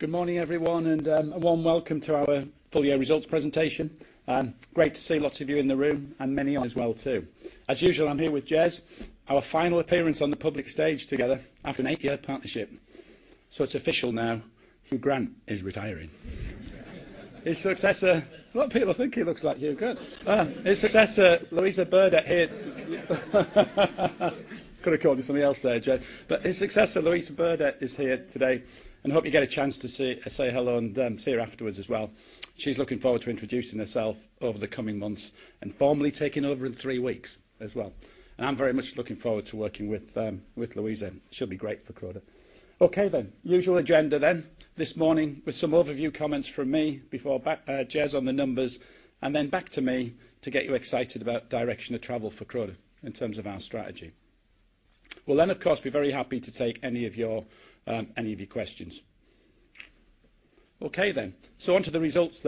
Good morning, everyone, a warm welcome to our full year results presentation. Great to see lots of you in the room and many online as well, too. As usual, I'm here with Jez, our final appearance on the public stage together after an eight-year partnership. It's official now, Hugh Grant is retiring. A lot of people think he looks like Hugh Grant. His successor, Louisa Burdett here. Could have called you something else there, Jez. His successor, Louisa Burdett, is here today, and hope you get a chance to say hello and see her afterwards as well. She's looking forward to introducing herself over the coming months and formally taking over in three weeks as well. I'm very much looking forward to working with Louisa. She'll be great for Croda. Okay then. Usual agenda then. This morning with some overview comments from me before back by Jez on the numbers, and then back to me to get you excited about direction of travel for Croda in terms of our strategy. We'll, of course, be very happy to take any of your questions. Onto the results.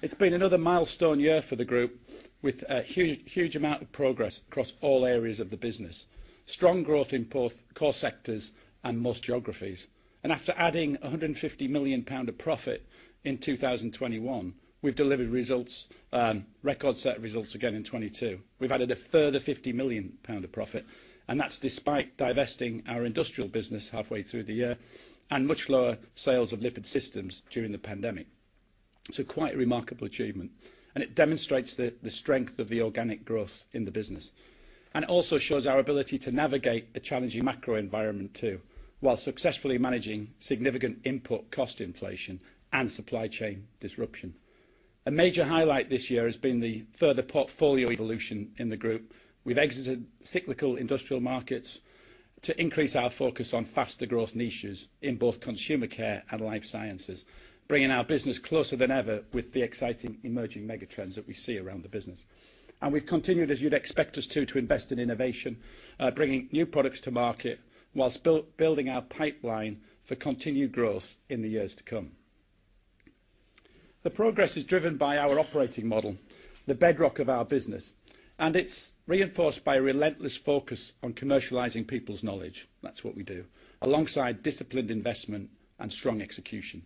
It's been another milestone year for the group with a huge, huge amount of progress across all areas of the business. Strong growth in both core sectors and most geographies. After adding 150 million pound of profit in 2021, we've delivered record set results again in 2022. We've added a further 50 million pound of profit, and that's despite divesting our industrial business halfway through the year and much lower sales of Lipid Systems during the pandemic. It's a quite remarkable achievement. It demonstrates the strength of the organic growth in the business. It also shows our ability to navigate a challenging macro environment too, while successfully managing significant input cost inflation and supply chain disruption. A major highlight this year has been the further portfolio evolution in the group. We've exited cyclical industrial markets to increase our focus on faster growth niches in both Consumer Care and Life Sciences, bringing our business closer than ever with the exciting emerging mega trends that we see around the business. We've continued, as you'd expect us to invest in innovation, bringing new products to market whilst building our pipeline for continued growth in the years to come. The progress is driven by our operating model, the bedrock of our business. It's reinforced by relentless focus on commercializing people's knowledge. That's what we do. Alongside disciplined investment and strong execution.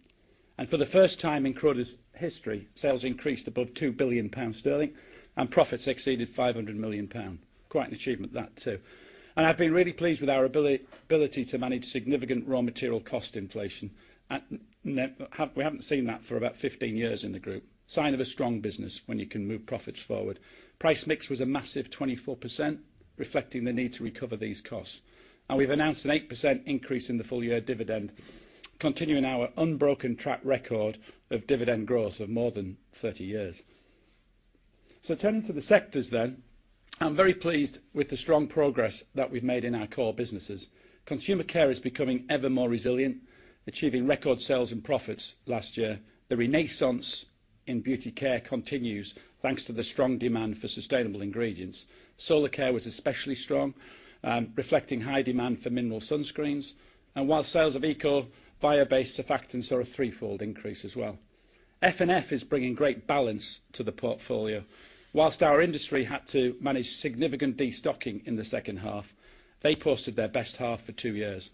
For the first time in Croda's history, sales increased above 2 billion sterling and profits exceeded 500 million pound. Quite an achievement, that too. I've been really pleased with our ability to manage significant raw material cost inflation. We haven't seen that for about 15 years in the group. Sign of a strong business when you can move profits forward. Price mix was a massive 24%, reflecting the need to recover these costs. We've announced an 8% increase in the full year dividend, continuing our unbroken track record of dividend growth of more than 30 years. Turning to the sectors, I'm very pleased with the strong progress that we've made in our core businesses. Consumer Care is becoming ever more resilient, achieving record sales and profits last year. The renaissance in Beauty Care continues thanks to the strong demand for sustainable ingredients. Solar Care was especially strong, reflecting high demand for mineral sunscreens. While sales of eco, bio-based surfactants are a threefold increase as well. F&F is bringing great balance to the portfolio. Whilst our industry had to manage significant destocking in the second half, they posted their best half for two years,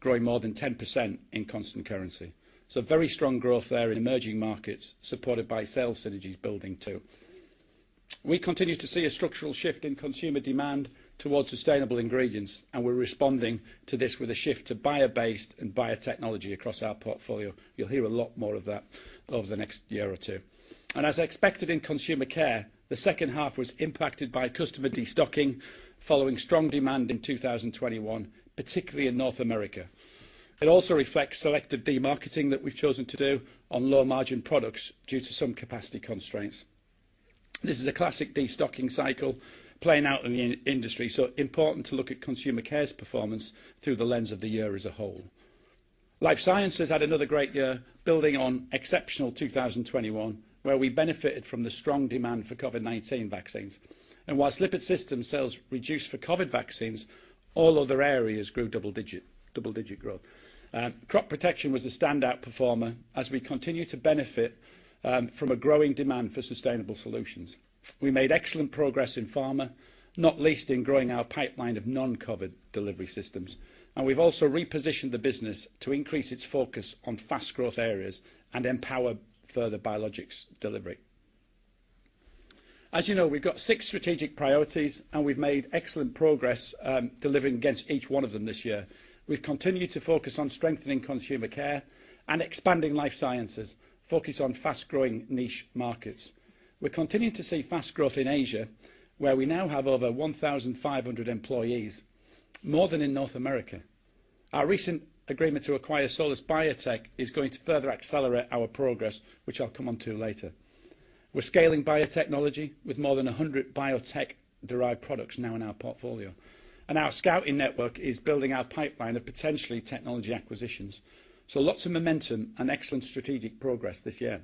growing more than 10% in constant currency. Very strong growth there in emerging markets, supported by sales synergies building too. We continue to see a structural shift in consumer demand towards sustainable ingredients, and we're responding to this with a shift to bio-based and biotechnology across our portfolio. You'll hear a lot more of that over the next year or two. As expected in Consumer Care, the second half was impacted by customer destocking following strong demand in 2021, particularly in North America. It also reflects selective demarketing that we've chosen to do on low-margin products due to some capacity constraints. This is a classic destocking cycle playing out in the industry, so important to look at Consumer Care's performance through the lens of the year as a whole. Life Sciences has had another great year building on exceptional 2021, where we benefited from the strong demand for COVID-19 vaccines. Whilst Lipid Systems sales reduced for COVID vaccines, all other areas grew double-digit growth. Crop Protection was a standout performer as we continue to benefit from a growing demand for sustainable solutions. We made excellent progress in pharma, not least in growing our pipeline of non-COVID delivery systems. We've also repositioned the business to increase its focus on fast growth areas and empower further biologics delivery. As you know, we've got six strategic priorities, and we've made excellent progress, delivering against each one of them this year. We've continued to focus on strengthening Consumer Care and expanding Life Sciences, focused on fast-growing niche markets. We're continuing to see fast growth in Asia, where we now have over 1,500 employees, more than in North America. Our recent agreement to acquire Solus Biotech is going to further accelerate our progress, which I'll come onto later. We're scaling biotechnology with more than 100 biotech derived products now in our portfolio. Our scouting network is building our pipeline of potentially technology acquisitions. Lots of momentum and excellent strategic progress this year.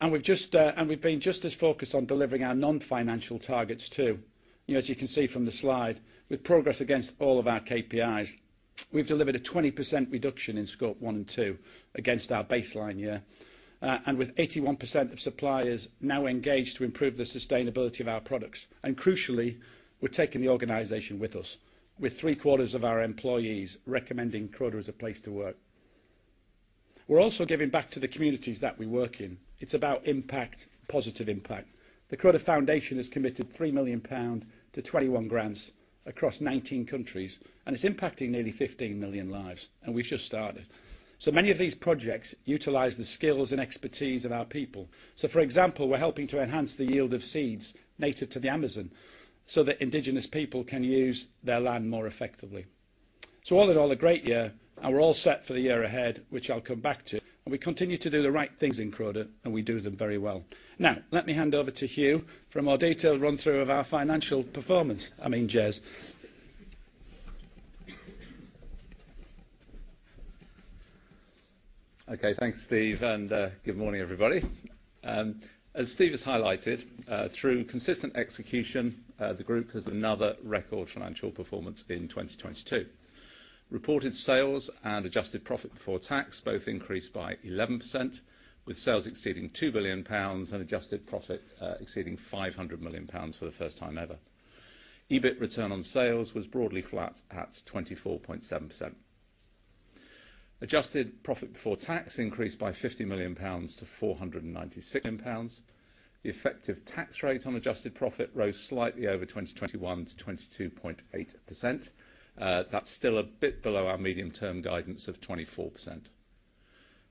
We've been just as focused on delivering our non-financial targets too. You know, as you can see from the slide, with progress against all of our KPIs, we've delivered a 20% reduction in Scope 1 and 2 against our baseline year. With 81% of suppliers now engaged to improve the sustainability of our products. Crucially, we're taking the organization with us, with three-quarters of our employees recommending Croda as a place to work. We're also giving back to the communities that we work in. It's about impact, positive impact. The Croda Foundation has committed 3 million pounds to 21 grants across 19 countries, and it's impacting nearly 15 million lives, and we've just started. Many of these projects utilize the skills and expertise of our people. For example, we're helping to enhance the yield of seeds native to the Amazon so that indigenous people can use their land more effectively. All in all, a great year, and we're all set for the year ahead, which I'll come back to, and we continue to do the right things in Croda, and we do them very well. Now, let me hand over to Jez for a more detailed run-through of our financial performance. I mean, Jez. Okay. Thanks, Steve. Good morning, everybody. As Steve has highlighted, through consistent execution, the group has another record financial performance in 2022. Reported sales and adjusted profit before tax both increased by 11%, with sales exceeding 2 billion pounds and adjusted profit exceeding 500 million pounds for the first time ever. EBIT return on sales was broadly flat at 24.7%. Adjusted profit before tax increased by 50 million pounds to 496 pounds. The effective tax rate on adjusted profit rose slightly over 2021 to 22.8%. That's still a bit below our medium-term guidance of 24%.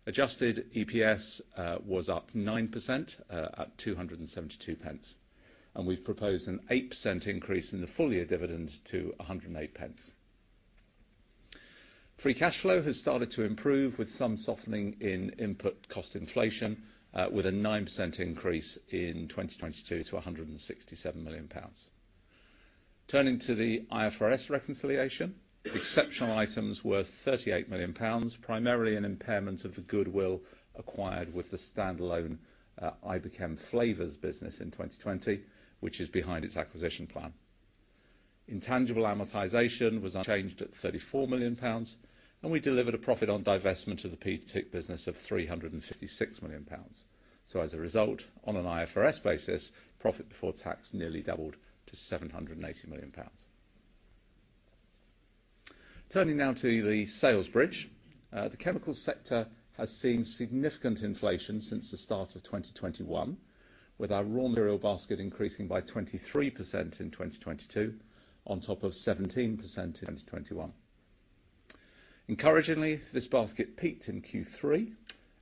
Adjusted EPS was up 9% at 272 pence, and we've proposed an 8% increase in the full-year dividend to 108 pence. Free cash flow has started to improve with some softening in input cost inflation, with a 9% increase in 2022 to 167 million pounds. Turning to the IFRS reconciliation, exceptional items worth 38 million pounds, primarily an impairment of the goodwill acquired with the standalone Iberchem Flavours business in 2020, which is behind its acquisition plan. Intangible amortization was unchanged at 34 million pounds, and we delivered a profit on divestment of the PTIC business of 356 million pounds. As a result, on an IFRS basis, profit before tax nearly doubled to 780 million pounds. Turning now to the sales bridge. The chemical sector has seen significant inflation since the start of 2021, with our raw material basket increasing by 23% in 2022 on top of 17% in 2021. Encouragingly, this basket peaked in Q3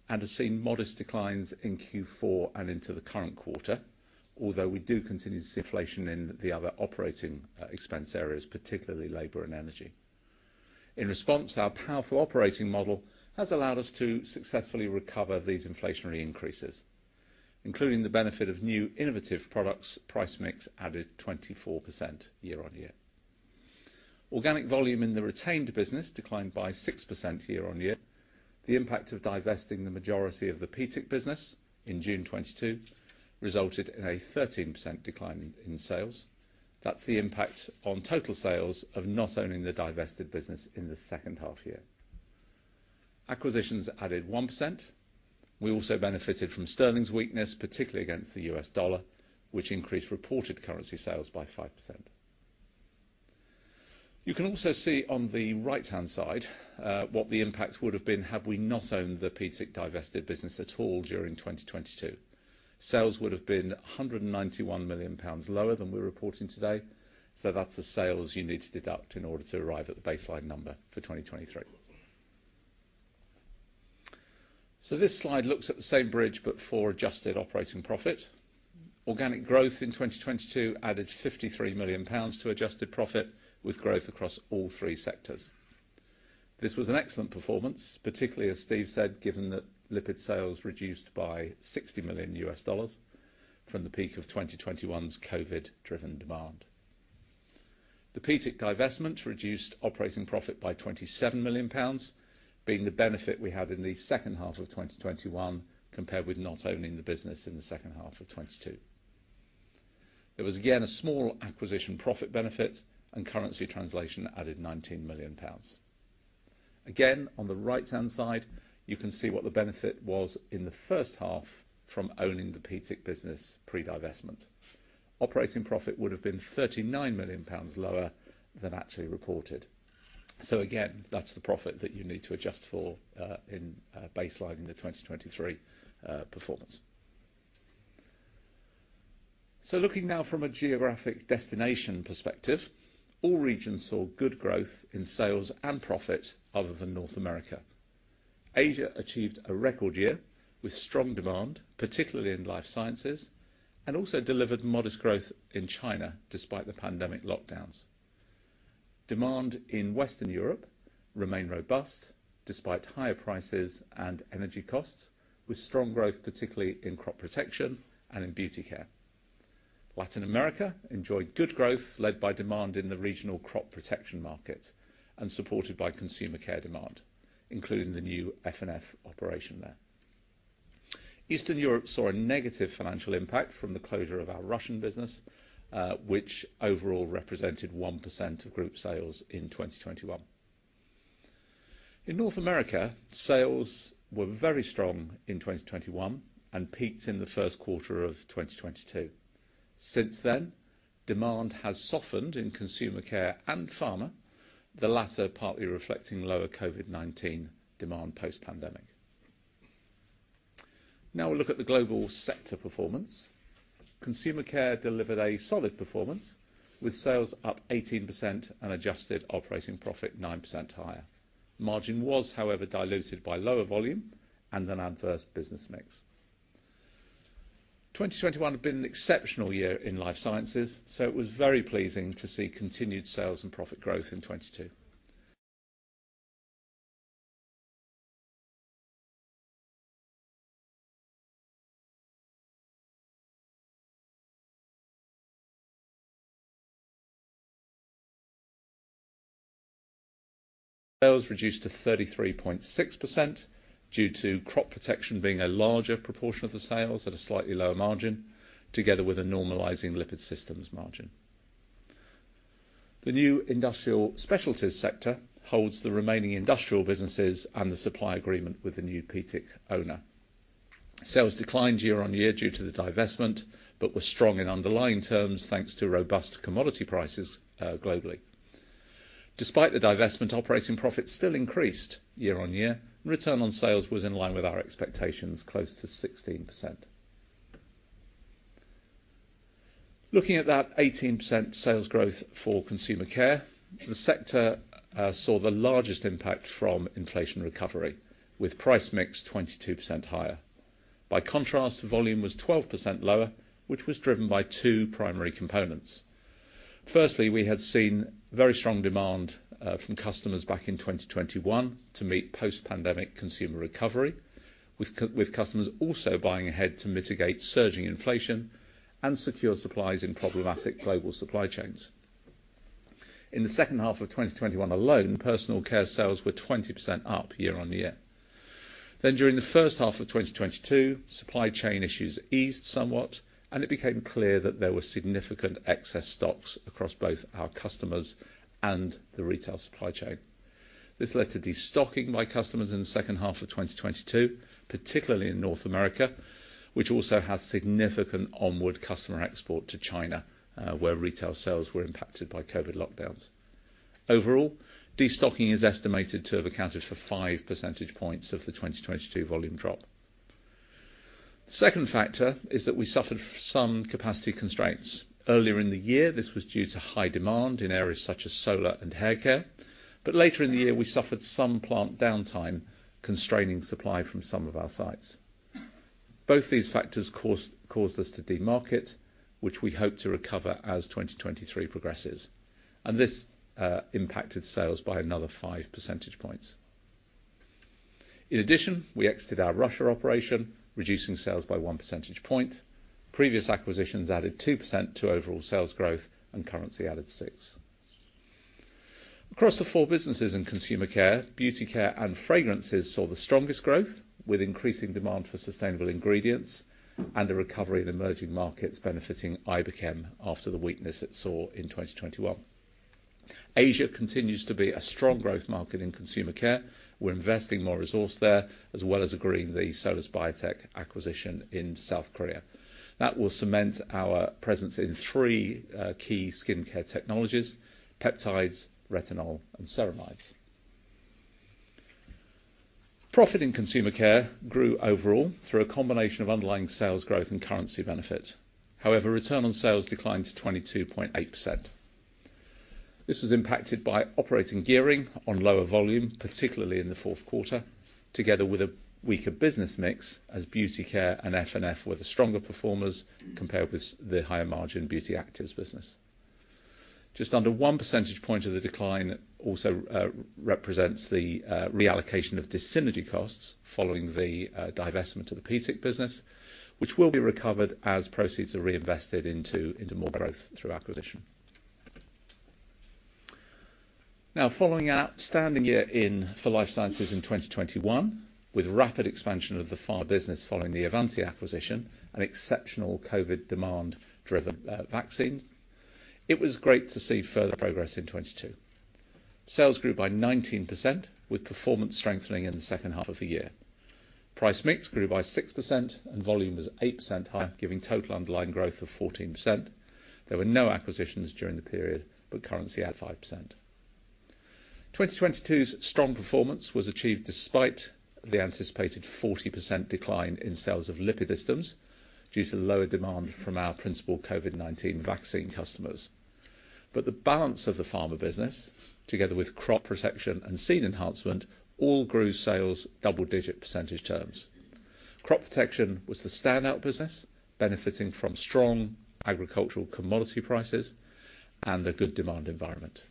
and has seen modest declines in Q4 and into the current quarter, although we do continue to see inflation in the other operating expense areas, particularly labor and energy. In response, our powerful operating model has allowed us to successfully recover these inflationary increases, including the benefit of new innovative products, price mix added 24% year-on-year. Organic volume in the retained business declined by 6% year-on-year. The impact of divesting the majority of the PTIC business in June 2022 resulted in a 13% decline in sales. That's the impact on total sales of not owning the divested business in the second half year. Acquisitions added 1%. We also benefited from Sterling's weakness, particularly against the U.S. dollar, which increased reported currency sales by 5%. You can also see on the right-hand side, what the impact would have been had we not owned the PTIC divested business at all during 2022. Sales would have been 191 million pounds lower than we're reporting today, that's the sales you need to deduct in order to arrive at the baseline number for 2023. This slide looks at the same bridge, but for adjusted operating profit. Organic growth in 2022 added 53 million pounds to adjusted profit with growth across all three sectors. This was an excellent performance, particularly as Steve said, given that lipid sales reduced by $60 million from the peak of 2021's COVID-driven demand. The PTIC divestment reduced operating profit by 27 million pounds, being the benefit we had in the second half of 2021 compared with not owning the business in the second half of 2022. There was again, a small acquisition profit benefit and currency translation added 19 million pounds. Again, on the right-hand side, you can see what the benefit was in the first half from owning the PTIC business pre-divestment. Operating profit would have been 39 million pounds lower than actually reported. Again, that's the profit that you need to adjust for in baselining the 2023 performance. Looking now from a geographic destination perspective, all regions saw good growth in sales and profit other than North America. Asia achieved a record year with strong demand, particularly in Life Sciences, and also delivered modest growth in China despite the pandemic lockdowns. Demand in Western Europe remained robust despite higher prices and energy costs, with strong growth, particularly in Crop Protection and in Beauty Care. Latin America enjoyed good growth led by demand in the regional Crop Protection market and supported by Consumer Care demand, including the new F&F operation there. Eastern Europe saw a negative financial impact from the closure of our Russian business, which overall represented 1% of group sales in 2021. In North America, sales were very strong in 2021 and peaked in the first quarter of 2022. Since then, demand has softened in Consumer Care and Pharma, the latter partly reflecting lower COVID-19 demand post-pandemic. We'll look at the global sector performance. Consumer Care delivered a solid performance with sales up 18% and adjusted operating profit 9% higher. Margin was, however, diluted by lower volume and an adverse business mix. 2021 had been an exceptional year in Life Sciences, it was very pleasing to see continued sales and profit growth in 2022. Sales reduced to 33.6% due to Crop Protection being a larger proportion of the sales at a slightly lower margin, together with a normalizing Lipid Systems margin. The new Industrial Specialties sector holds the remaining industrial businesses and the supply agreement with the new PTIC owner. Sales declined year-on-year due to the divestment, but were strong in underlying terms thanks to robust commodity prices globally. Despite the divestment, operating profits still increased year-on-year. return on sales was in line with our expectations, close to 16%. Looking at that 18% sales growth for Consumer Care, the sector saw the largest impact from inflation recovery with price mix 22% higher. Volume was 12% lower, which was driven by two primary components. We had seen very strong demand from customers back in 2021 to meet post-pandemic consumer recovery with customers also buying ahead to mitigate surging inflation and secure supplies in problematic global supply chains. In the second half of 2021 alone, personal care sales were 20% up year-on-year. During the first half of 2022, supply chain issues eased somewhat, and it became clear that there were significant excess stocks across both our customers and the retail supply chain. This led to destocking by customers in the second half of 2022, particularly in North America, which also has significant onward customer export to China, where retail sales were impacted by COVID lockdowns. Overall, destocking is estimated to have accounted for five percentage points of the 2022 volume drop. Second factor is that we suffered some capacity constraints. Earlier in the year, this was due to high demand in areas such as Solar Care and hair care. Later in the year, we suffered some plant downtime constraining supply from some of our sites. Both these factors caused us to demarket, which we hope to recover as 2023 progresses. This impacted sales by another five percentage points. In addition, we exited our Russia operation, reducing sales by one percentage point. Previous acquisitions added 2% to overall sales growth and currency added 6%. Across the four businesses in Consumer Care, Beauty Care and Fragrances saw the strongest growth with increasing demand for sustainable ingredients and a recovery in emerging markets benefiting Iberchem after the weakness it saw in 2021. Asia continues to be a strong growth market in Consumer Care. We're investing more resource there, as well as agreeing the Solus Biotech acquisition in South Korea. That will cement our presence in three key skincare technologies: peptides, retinol, and ceramides. Profit in Consumer Care grew overall through a combination of underlying sales growth and currency benefit. However, return on sales declined to 22.8%. This was impacted by operating gearing on lower volume, particularly in the 4th quarter, together with a weaker business mix as Beauty Care and F&F were the stronger performers compared with the higher margin Beauty Actives business. Just under one percentage point of the decline also represents the reallocation of dis-synergy costs following the divestment of the PTIC business, which will be recovered as proceeds are reinvested into more growth through acquisition. Following our outstanding year in for Life Sciences in 2021, with rapid expansion of the PhRMA business following the Avanti acquisition and exceptional COVID demand-driven vaccine, it was great to see further progress in 2022. Sales grew by 19%, with performance strengthening in the second half of the year. Price mix grew by 6% and volume was 8% higher, giving total underlying growth of 14%. There were no acquisitions during the period, currency at 5%. 2022's strong performance was achieved despite the anticipated 40% decline in sales of Lipid Systems due to lower demand from our principal COVID-19 vaccine customers. But the balance of the Pharma business, together with Crop Protection and Seed Enhancement, all grew sales double-digit percentage terms. Crop Protection was the standout business, benefiting from strong agricultural commodity prices and a good demand environment.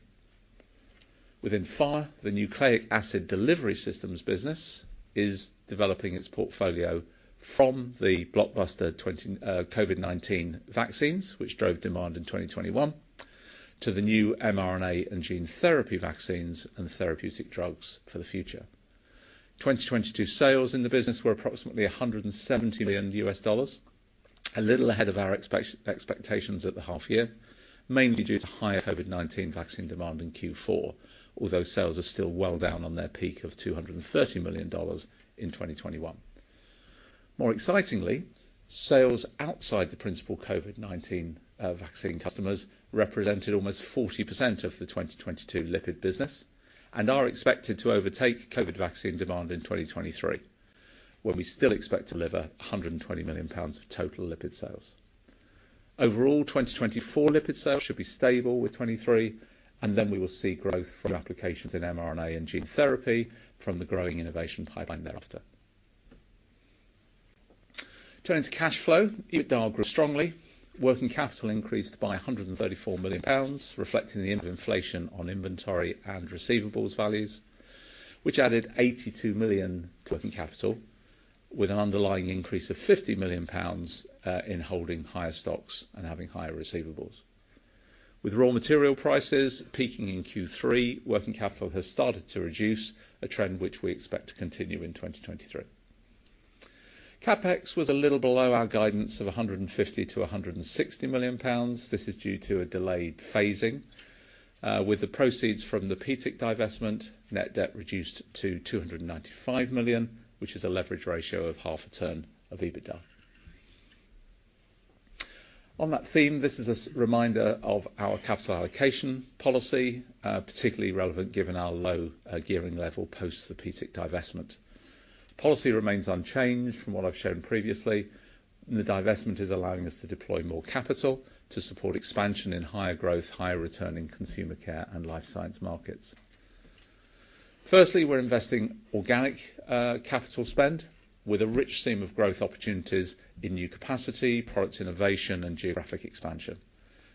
Within PhRMA, the Nucleic Acid Delivery Systems business is developing its portfolio from the blockbuster 20 COVID-19 vaccines, which drove demand in 2021, to the new mRNA and gene therapy vaccines and therapeutic drugs for the future. 2022 sales in the business were approximately $170 million, a little ahead of our expectations at the half year, mainly due to higher COVID-19 vaccine demand in Q4, although sales are still well down on their peak of $230 million in 2021. More excitingly, sales outside the principal COVID-19 vaccine customers represented almost 40% of the 2022 lipid business and are expected to overtake COVID vaccine demand in 2023, when we still expect to deliver 120 million pounds of total lipid sales. Overall, 2024 lipid sales should be stable with 2023, we will see growth through applications in mRNA and gene therapy from the growing innovation pipeline thereafter. Turning to cash flow. EBITDA grew strongly. Working capital increased by 134 million pounds, reflecting the end of inflation on inventory and receivables values, which added 82 million to working capital with an underlying increase of 50 million pounds in holding higher stocks and having higher receivables. With raw material prices peaking in Q3, working capital has started to reduce a trend which we expect to continue in 2023. CapEx was a little below our guidance of 150 million-160 million pounds. This is due to a delayed phasing with the proceeds from the PTIC divestment. Net debt reduced to 295 million, which is a leverage ratio of half a ton of EBITDA. On that theme, this is a reminder of our capital allocation policy, particularly relevant given our low gearing level post the PTIC divestment. Policy remains unchanged from what I've shown previously, the divestment is allowing us to deploy more capital to support expansion in higher growth, higher return in Consumer Care and Life Sciences markets. Firstly, we're investing organic capital spend with a rich seam of growth opportunities in new capacity, products innovation and geographic expansion.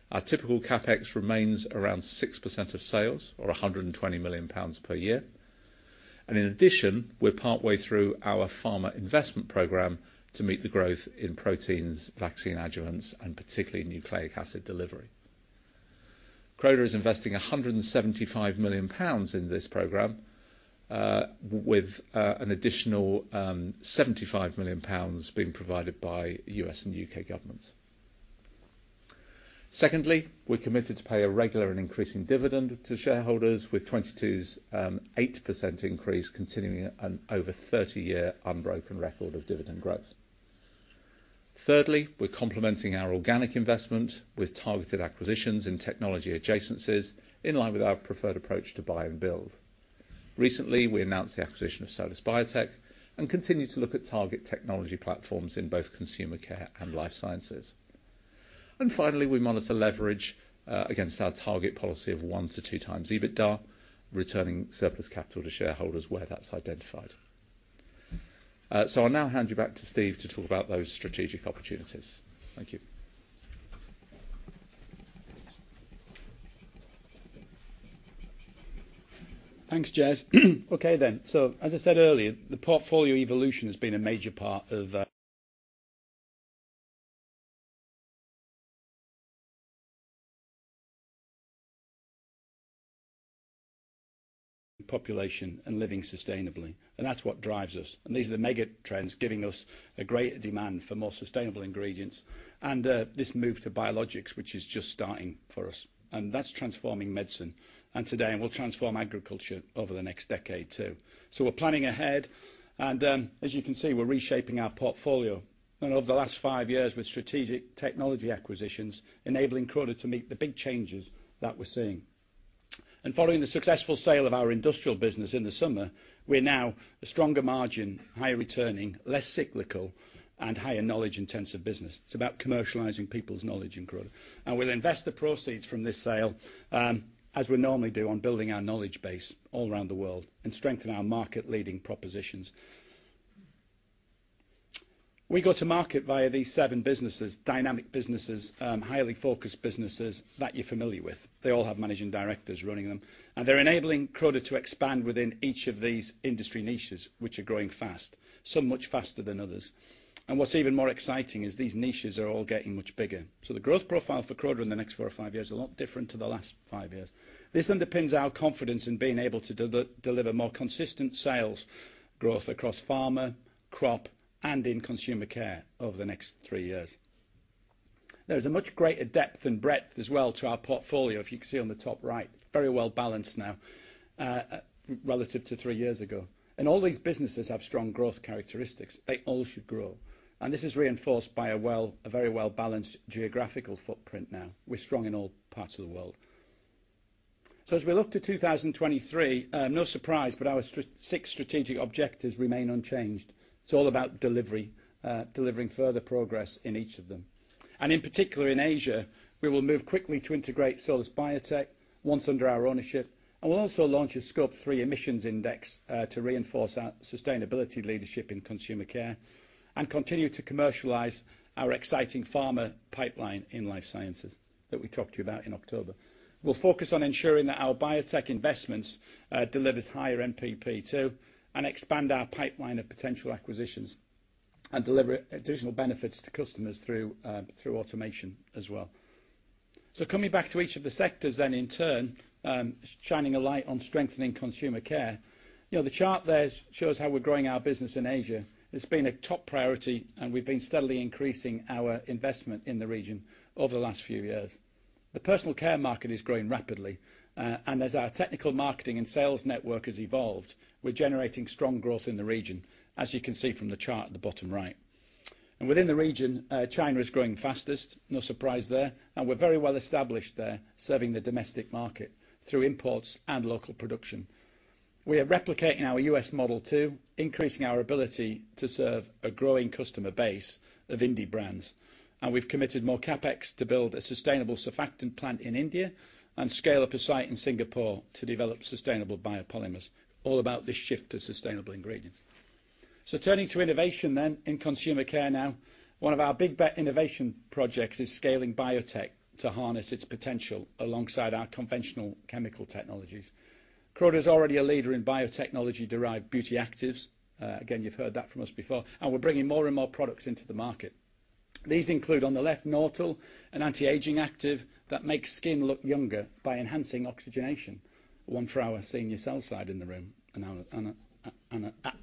Our typical CapEx remains around 6% of sales or 120 million pounds per year. In addition, we're partway through our pharma investment program to meet the growth in proteins, vaccine adjuvants, and particularly nucleic acid delivery. Croda is investing 175 million pounds in this program, with an additional 75 million pounds being provided by U.S. and U.K. governments. Secondly, we're committed to pay a regular and increasing dividend to shareholders with 2022's 8% increase continuing an over 30-year unbroken record of dividend growth. Thirdly, we're complementing our organic investment with targeted acquisitions in technology adjacencies in line with our preferred approach to buy and build. Recently, we announced the acquisition of Solus Biotech and continue to look at target technology platforms in both Consumer Care and Life Sciences. Finally, we monitor leverage against our target policy of 1-2x EBITDA, returning surplus capital to shareholders where that's identified. I'll now hand you back to Steve to talk about those strategic opportunities. Thank you. Thanks, Jez. Okay. As I said earlier, the portfolio evolution has been a major part of population and living sustainably, and that's what drives us. These are the mega trends giving us a greater demand for more sustainable ingredients and this move to biologics, which is just starting for us, and that's transforming medicine today, and will transform agriculture over the next decade too. We're planning ahead and, as you can see, we're reshaping our portfolio. Over the last five years with strategic technology acquisitions enabling Croda to meet the big changes that we're seeing. Following the successful sale of our industrial business in the summer, we're now a stronger margin, higher returning, less cyclical and higher knowledge-intensive business. It's about commercializing people's knowledge in Croda. We'll invest the proceeds from this sale, as we normally do on building our knowledge base all around the world and strengthen our market-leading propositions. We go to market via these seven businesses, dynamic businesses, highly focused businesses that you're familiar with. They all have managing directors running them, and they're enabling Croda to expand within each of these industry niches, which are growing fast, so much faster than others. What's even more exciting is these niches are all getting much bigger. The growth profile for Croda in the next four or five years are a lot different to the last five years. This underpins our confidence in being able to deliver more consistent sales growth across pharma, crop, and in Consumer Care over the next three years. There's a much greater depth and breadth as well to our portfolio. If you can see on the top right, very well balanced now, relative to three years ago. All these businesses have strong growth characteristics. They all should grow. This is reinforced by a very well balanced geographical footprint now. We're strong in all parts of the world. As we look to 2023, no surprise, but our six strategic objectives remain unchanged. It's all about delivery, delivering further progress in each of them. In particular, in Asia, we will move quickly to integrate Solus Biotech once under our ownership. We'll also launch a Scope 3 emissions index to reinforce our sustainability leadership in Consumer Care and continue to commercialize our exciting pharma pipeline in Life Sciences that we talked to you about in October. We'll focus on ensuring that our biotech investments delivers higher MPP too, expand our pipeline of potential acquisitions and deliver additional benefits to customers through automation as well. Coming back to each of the sectors then in turn, shining a light on strengthening Consumer Care. You know, the chart there shows how we're growing our business in Asia. It's been a top priority, we've been steadily increasing our investment in the region over the last few years. The personal care market is growing rapidly, as our technical marketing and sales network has evolved, we're generating strong growth in the region, as you can see from the chart at the bottom right. Within the region, China is growing fastest, no surprise there, we're very well established there, serving the domestic market through imports and local production. We are replicating our U.S. model too, increasing our ability to serve a growing customer base of indie brands. We've committed more CapEx to build a sustainable surfactant plant in India and scale up a site in Singapore to develop sustainable biopolymers, all about the shift to sustainable ingredients. Turning to innovation then in Consumer Care now, one of our big bet innovation projects is scaling biotech to harness its potential alongside our conventional chemical technologies. Croda is already a leader in biotechnology-derived Beauty Actives. Again, you've heard that from us before, and we're bringing more and more products into the market. These include on the left, Nautilus, an anti-aging active that makes skin look younger by enhancing oxygenation. One for our senior sales side in the room,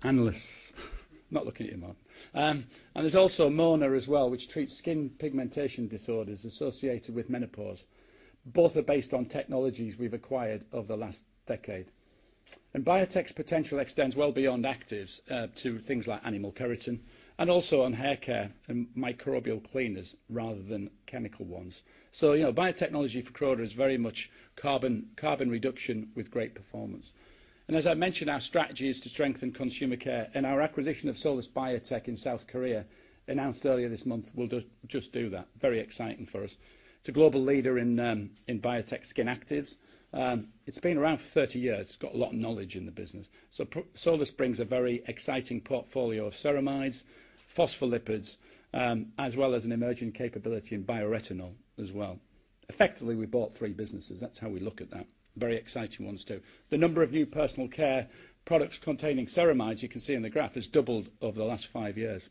analysts. Not looking at you, Mark. There's also Mona as well, which treats skin pigmentation disorders associated with menopause. Both are based on technologies we've acquired over the last decade. Biotech's potential extends well beyond actives, to things like animal keratin and also on hair care and microbial cleaners rather than chemical ones. You know, biotechnology for Croda is very much carbon reduction with great performance. As I mentioned, our strategy is to strengthen Consumer Care, and our acquisition of Solus Biotech in South Korea, announced earlier this month, will just do that. Very exciting for us. It's a global leader in biotech skin actives. It's been around for 30 years. It's got a lot of knowledge in the business. Solus brings a very exciting portfolio of ceramides, phospholipids, as well as an emerging capability in bioretinol as well. Effectively, we bought three businesses. That's how we look at that. Very exciting ones, too. The number of new personal care products containing ceramides, you can see in the graph, has doubled over the last five years.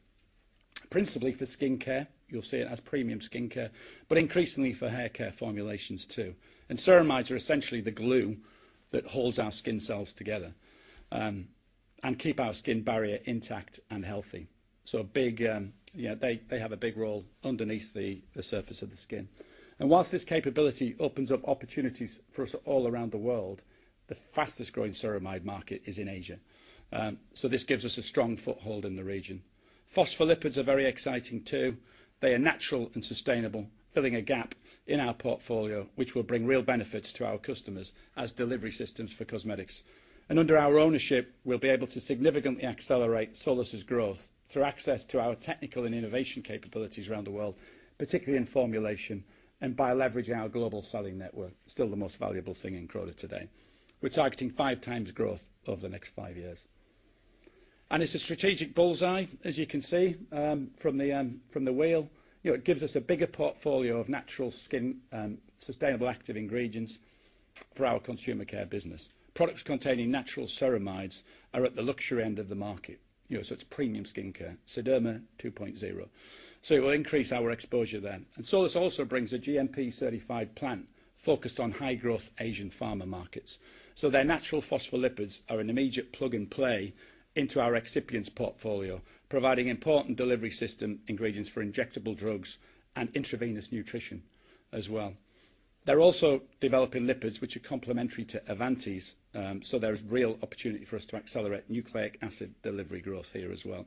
Principally for skincare, you'll see it as premium skincare, but increasingly for hair care formulations, too. Ceramides are essentially the glue that holds our skin cells together and keep our skin barrier intact and healthy. They have a big role underneath the surface of the skin. Whilst this capability opens up opportunities for us all around the world, the fastest-growing ceramide market is in Asia. This gives us a strong foothold in the region. Phospholipids are very exciting, too. They are natural and sustainable, filling a gap in our portfolio, which will bring real benefits to our customers as delivery systems for cosmetics. Under our ownership, we'll be able to significantly accelerate Solus Biotech's growth through access to our technical and innovation capabilities around the world, particularly in formulation and by leveraging our global selling network, still the most valuable thing in Croda today. We're targeting 5x growth over the next five years. It's a strategic bullseye, as you can see, from the wheel. You know, it gives us a bigger portfolio of natural skin and sustainable active ingredients for our Consumer Care business. Products containing natural ceramides are at the luxury end of the market, you know, so it's premium skincare, Sederma 2.0. It will increase our exposure then. Solus also brings a GMP-certified plant focused on high-growth Asian pharma markets. Their natural phospholipids are an immediate plug-and-play into our excipients portfolio, providing important delivery system ingredients for injectable drugs and intravenous nutrition as well. They're also developing lipids which are complementary to Avanti's, there's real opportunity for us to accelerate nucleic acid delivery growth here as well.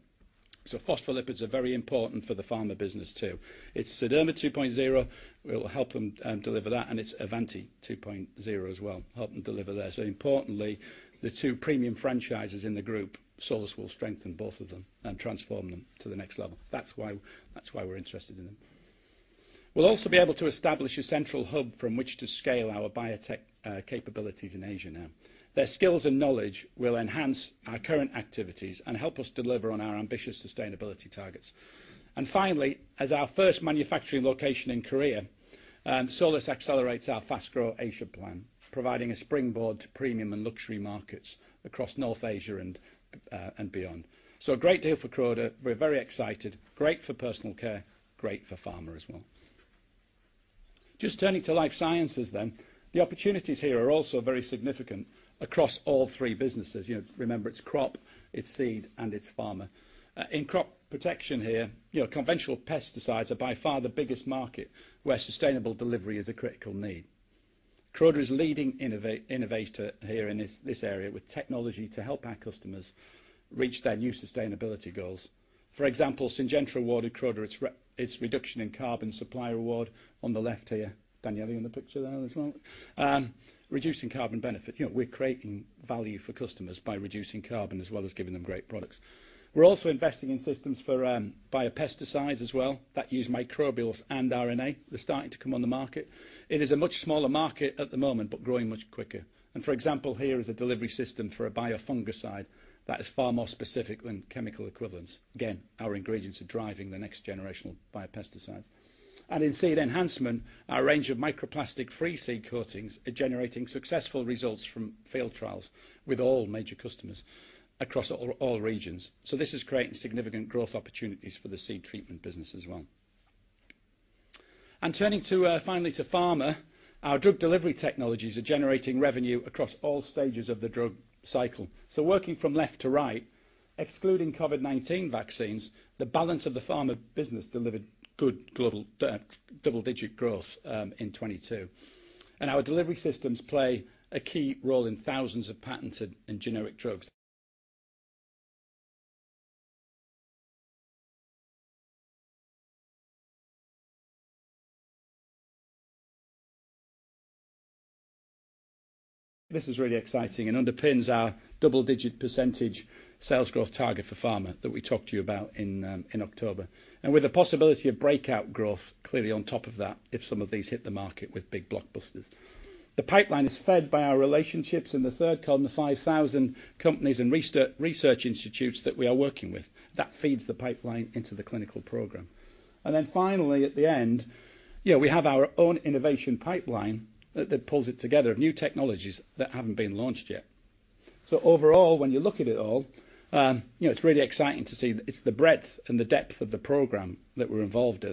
Phospholipids are very important for the pharma business too. It's Sederma 2.0, we'll help them deliver that, and it's Avanti 2.0 as well, help them deliver there. Importantly, the two premium franchises in the group, Solus will strengthen both of them and transform them to the next level. That's why we're interested in them. We'll also be able to establish a central hub from which to scale our biotech capabilities in Asia now. Their skills and knowledge will enhance our current activities and help us deliver on our ambitious sustainability targets. Finally, as our first manufacturing location in Korea, Solus accelerates our Fast Grow Asia plan, providing a springboard to premium and luxury markets across North Asia and beyond. A great deal for Croda. We're very excited. Great for personal care, great for pharma as well. Just turning to Life Sciences then. The opportunities here are also very significant across all three businesses. You know, remember, it's crop, it's seed, and it's pharma. In Crop Protection here, you know, conventional pesticides are by far the biggest market where sustainable delivery is a critical need. Croda is a leading innovator here in this area with technology to help our customers reach their new sustainability goals. For example, Syngenta awarded Croda its reduction in carbon supply award on the left here. Daniele in the picture there as well. Reducing carbon benefit. You know, we're creating value for customers by reducing carbon as well as giving them great products. We're also investing in systems for biopesticides as well that use microbials and RNA. They're starting to come on the market. It is a much smaller market at the moment, but growing much quicker. For example, here is a delivery system for a biofungicide that is far more specific than chemical equivalents. Again, our ingredients are driving the next generation of biopesticides. In seed enhancement, our range of microplastic-free seed coatings are generating successful results from field trials with all major customers across all regions. This is creating significant growth opportunities for the seed treatment business as well. Turning finally to pharma, our drug delivery technologies are generating revenue across all stages of the drug cycle. Working from left to right, excluding COVID-19 vaccines, the balance of the pharma business delivered good global double-digit growth in 2022. Our delivery systems play a key role in thousands of patented and generic drugs. This is really exciting and underpins our double-digit percentage sales growth target for pharma that we talked to you about in October. With the possibility of breakout growth clearly on top of that, if some of these hit the market with big blockbusters. The pipeline is fed by our relationships in the third column, the 5,000 companies and research institutes that we are working with. That feeds the pipeline into the clinical program. Finally, at the end, yeah, we have our own innovation pipeline that pulls it together, new technologies that haven't been launched yet. Overall, when you look at it all, you know, it's really exciting to see that it's the breadth and the depth of the program that we're involved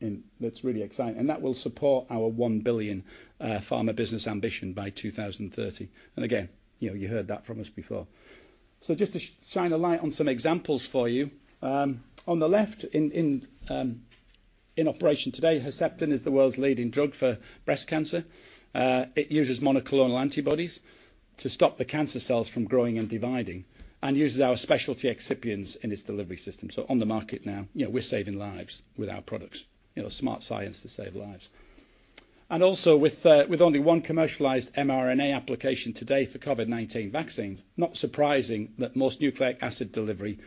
in that's really exciting. That will support our 1 billion pharma business ambition by 2030. Again, you know, you heard that from us before. Just to shine a light on some examples for you, on the left in operation today, Herceptin is the world's leading drug for breast cancer. It uses monoclonal antibodies to stop the cancer cells from growing and dividing, and uses our specialty excipients in its delivery system. On the market now, you know, we're saving lives with our products. You know, smart science to save lives. Also with only one commercialized mRNA application today for COVID-19 vaccines, not surprising that most nucleic acid delivery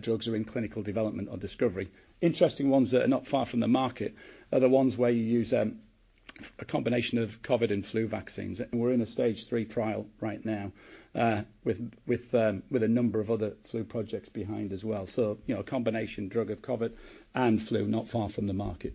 drugs are in clinical development or discovery. Interesting ones that are not far from the market are the ones where you use a combination of COVID and flu vaccines. We're in a phase 3 trial right now with a number of other flu projects behind as well. You know, a combination drug of COVID and flu not far from the market.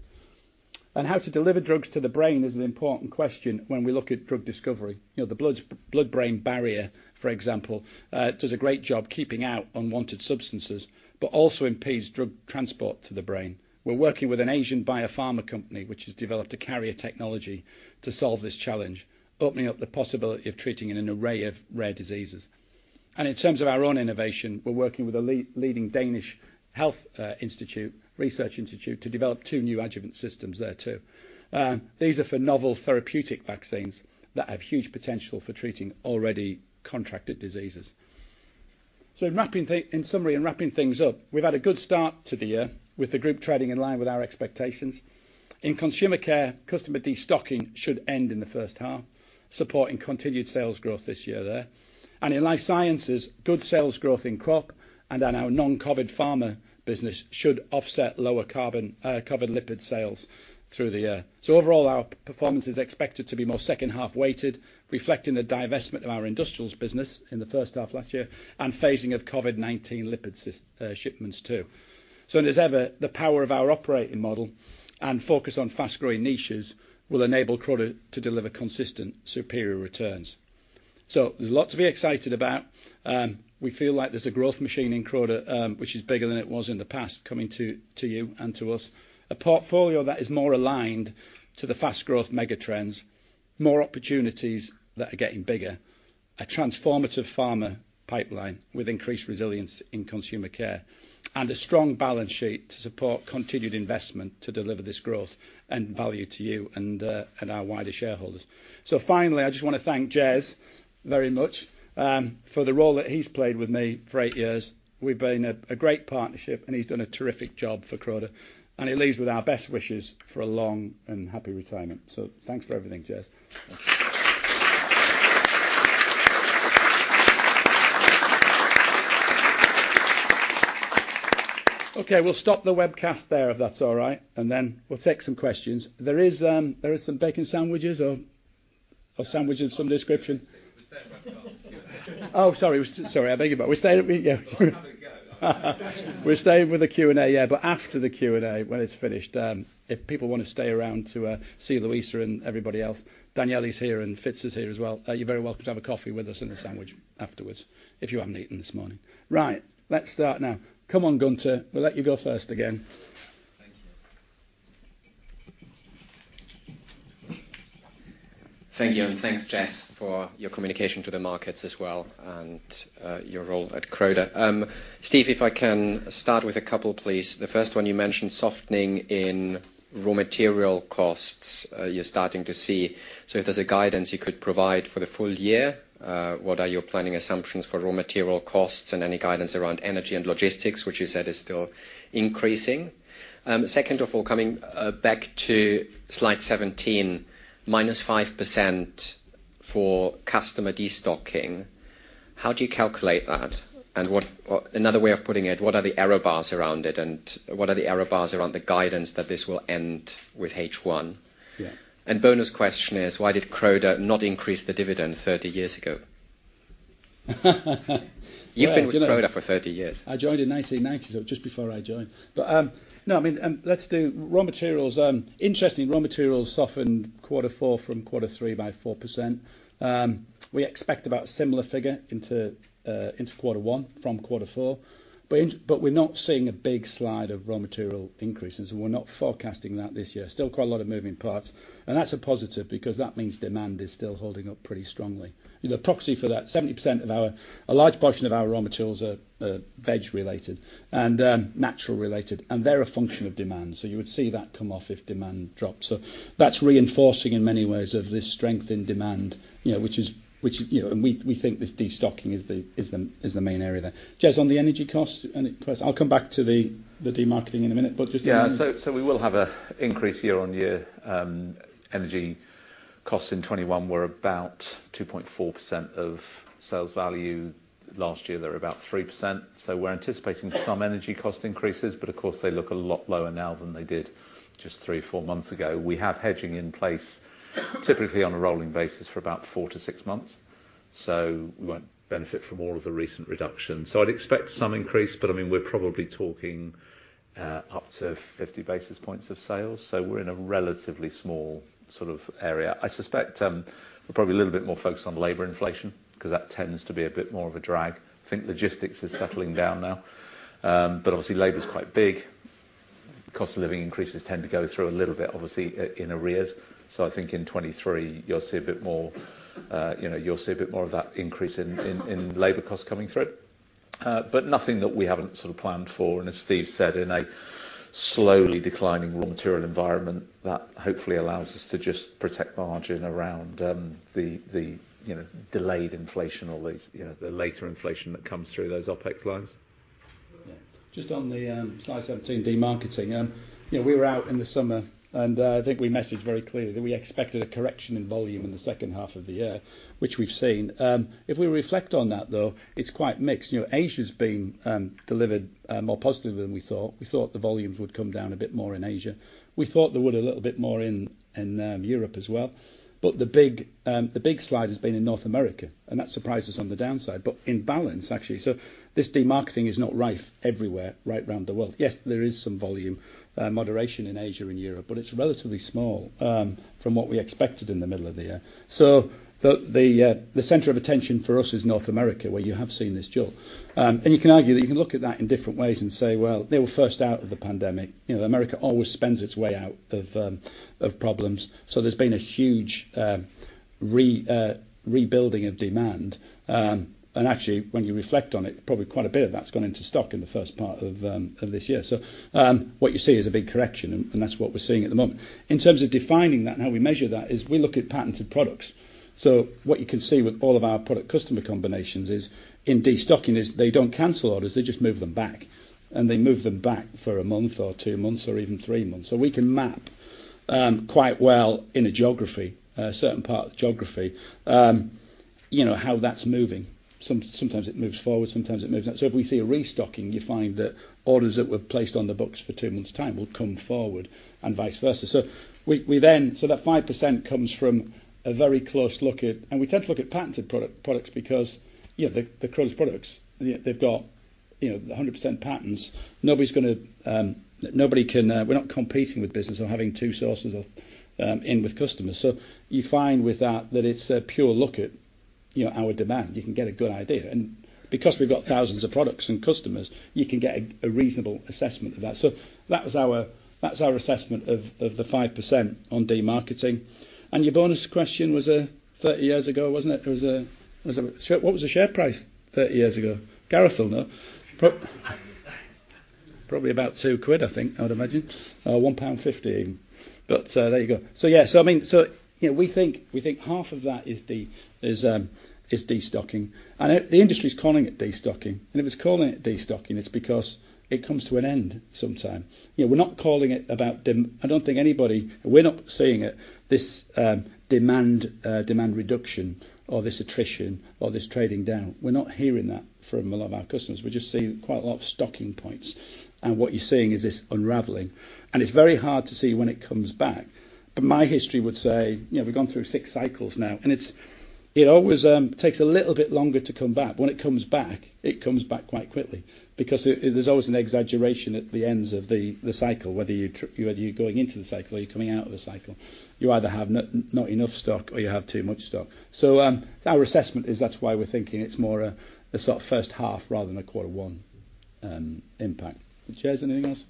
How to deliver drugs to the brain is an important question when we look at drug discovery. You know, the blood-brain barrier, for example, does a great job keeping out unwanted substances, but also impedes drug transport to the brain. We're working with an Asian biopharma company, which has developed a carrier technology to solve this challenge, opening up the possibility of treating an array of rare diseases. In terms of our own innovation, we're working with a leading Danish health institute, research institute to develop two new adjuvant systems there too. These are for novel therapeutic vaccines that have huge potential for treating already contracted diseases. In summary and wrapping things up, we've had a good start to the year with the group trading in line with our expectations. In Consumer Care, customer destocking should end in the first half, supporting continued sales growth this year there. In Life Sciences, good sales growth in Crop and on our non-COVID pharma business should offset lower COVID lipid sales through the year. Overall, our performance is expected to be more second half-weighted, reflecting the divestment of our Industrials business in the first half last year and phasing of COVID-19 lipid shipments too. As ever, the power of our operating model and focus on fast-growing niches will enable Croda to deliver consistent, superior returns. There's a lot to be excited about. We feel like there's a growth machine in Croda, which is bigger than it was in the past, coming to you and to us. A portfolio that is more aligned to the fast growth megatrends, more opportunities that are getting bigger, a transformative pharma pipeline with increased resilience in Consumer Care, and a strong balance sheet to support continued investment to deliver this growth and value to you and our wider shareholders. Finally, I just wanna thank Jez very much for the role that he's played with me for eight years. We've been a great partnership and he's done a terrific job for Croda, and he leaves with our best wishes for a long and happy retirement. Thanks for everything, Jez. We'll stop the webcast there if that's all right, and then we'll take some questions. There is some bacon sandwiches or sandwiches of some description. We're staying with the Q&A. Oh, sorry. Sorry, I beg you pardon. We're staying. Yeah. Well, have a go. We're staying with the Q&A, yeah. After the Q&A, when it's finished, if people wanna stay around to see Louisa and everybody else. Daniele's here and Fitz is here as well. You're very welcome to have a coffee with us and a sandwich afterwards if you haven't eaten this morning. Let's start now. Come on, Gunther. We'll let you go first again. Thank you. Thank you, and thanks, Jez, for your communication to the markets as well and your role at Croda. Steve, if I can start with a couple, please. The first one, you mentioned softening in raw material costs you're starting to see. If there's a guidance you could provide for the full year, what are your planning assumptions for raw material costs and any guidance around energy and logistics, which you said is still increasing? Second of all, coming back to slide 17, -5% for customer destocking. How do you calculate that? Or another way of putting it, what are the error bars around it, and what are the error bars around the guidance that this will end with H1? Yeah. Bonus question is, why did Croda not increase the dividend 30 years ago? Yeah. Do you know what? You've been with Croda for 30 years. I joined in 1990, so just before I joined. No, I mean, let's do raw materials. Interesting, raw materials softened Q4 from Q3 by 4%. We expect about similar figure into Q1 from Q4. We're not seeing a big slide of raw material increases, and we're not forecasting that this year. Still quite a lot of moving parts, and that's a positive because that means demand is still holding up pretty strongly. You know, proxy for that, a large portion of our raw materials are veg related and natural related, and they're a function of demand. You would see that come off if demand drops. That's reinforcing in many ways of this strength in demand, you know, which is, you know... we think this destocking is the main area there. Jez, on the energy cost. Because I'll come back to the demarketing in a minute. We will have a increase year-on-year. Energy costs in 2021 were about 2.4% of sales value. Last year they were about 3%. We're anticipating some energy cost increases, but of course, they look a lot lower now than they did just three or four months ago. We have hedging in place, typically on a rolling basis for about four to six months. We won't benefit from all of the recent reductions. I'd expect some increase, but I mean, we're probably talking up to 50 basis points of sales. We're in a relatively small sort of area. I suspect we're probably a little bit more focused on labor inflation 'cause that tends to be a bit more of a drag. I think logistics is settling down now. Obviously labor's quite big. Cost of living increases tend to go through a little bit obviously in arrears. I think in 2023 you'll see a bit more, you know, you'll see a bit more of that increase in labor costs coming through. But nothing that we haven't sort of planned for. As Steve said, in a slowly declining raw material environment, that hopefully allows us to just protect margin around the, you know, delayed inflation or these, you know, the later inflation that comes through those OpEx lines. Yeah. Just on the slide 17, demarketing. You know, we were out in the summer, and I think we messaged very clearly that we expected a correction in volume in the second half of the year, which we've seen. If we reflect on that though, it's quite mixed. You know, Asia's been delivered more positively than we thought. We thought the volumes would come down a bit more in Asia. We thought they would a little bit more in Europe as well. The big, the big slide has been in North America, and that surprised us on the downside. In balance actually, so this demarketing is not rife everywhere, right around the world. Yes, there is some volume moderation in Asia and Europe, but it's relatively small from what we expected in the middle of the year. The center of attention for us is North America, where you have seen this jolt. You can argue that you can look at that in different ways and say, "Well, they were first out of the pandemic." You know, America always spends its way out of problems. There's been a huge rebuilding of demand. Actually, when you reflect on it, probably quite a bit of that's gone into stock in the first part of this year. What you see is a big correction, and that's what we're seeing at the moment. In terms of defining that and how we measure that, is we look at patented products. What you can see with all of our product customer combinations is in destocking is they don't cancel orders, they just move them back. They move them back for one month or two months or even three months. We can map quite well in a geography, a certain part of geography, you know, how that's moving. Sometimes it moves forward, sometimes it moves out. If we see a restocking, you find that orders that were placed on the books for two months' time will come forward, and vice versa. We then... That 5% comes from a very close look at... We tend to look at patented products because, you know, the Croda products, they've got, you know, 100% patents. Nobody's gonna, nobody can... We're not competing with business or having two sources of in with customers. You find with that it's a pure look at, you know, our demand. You can get a good idea. Because we've got thousands of products and customers, you can get a reasonable assessment of that. That was our, that's our assessment of the 5% on demarketing. Your bonus question was 30 years ago, wasn't it? It was a What was the share price 30 years ago? Gareth will know. Probably about 2 quid, I think, I would imagine. 1.50 pound. There you go. Yeah, I mean, you know, we think, we think half of that is is destocking. I know the industry's calling it destocking, if it's calling it destocking it's because it comes to an end sometime. You know, we're not calling it about I don't think anybody, we're not seeing it, this demand reduction or this attrition or this trading down. We're not hearing that from a lot of our customers. We're just seeing quite a lot of stocking points. What you're seeing is this unraveling. It's very hard to see when it comes back. My history would say, you know, we've gone through six cycles now, it always takes a little bit longer to come back. When it comes back, it comes back quite quickly because it, there's always an exaggeration at the ends of the cycle, whether you're going into the cycle or you're coming out of the cycle. You either have not enough stock or you have too much stock. Our assessment is that's why we're thinking it's more a sort of first half rather than a Q1 impact. Jez, anything else?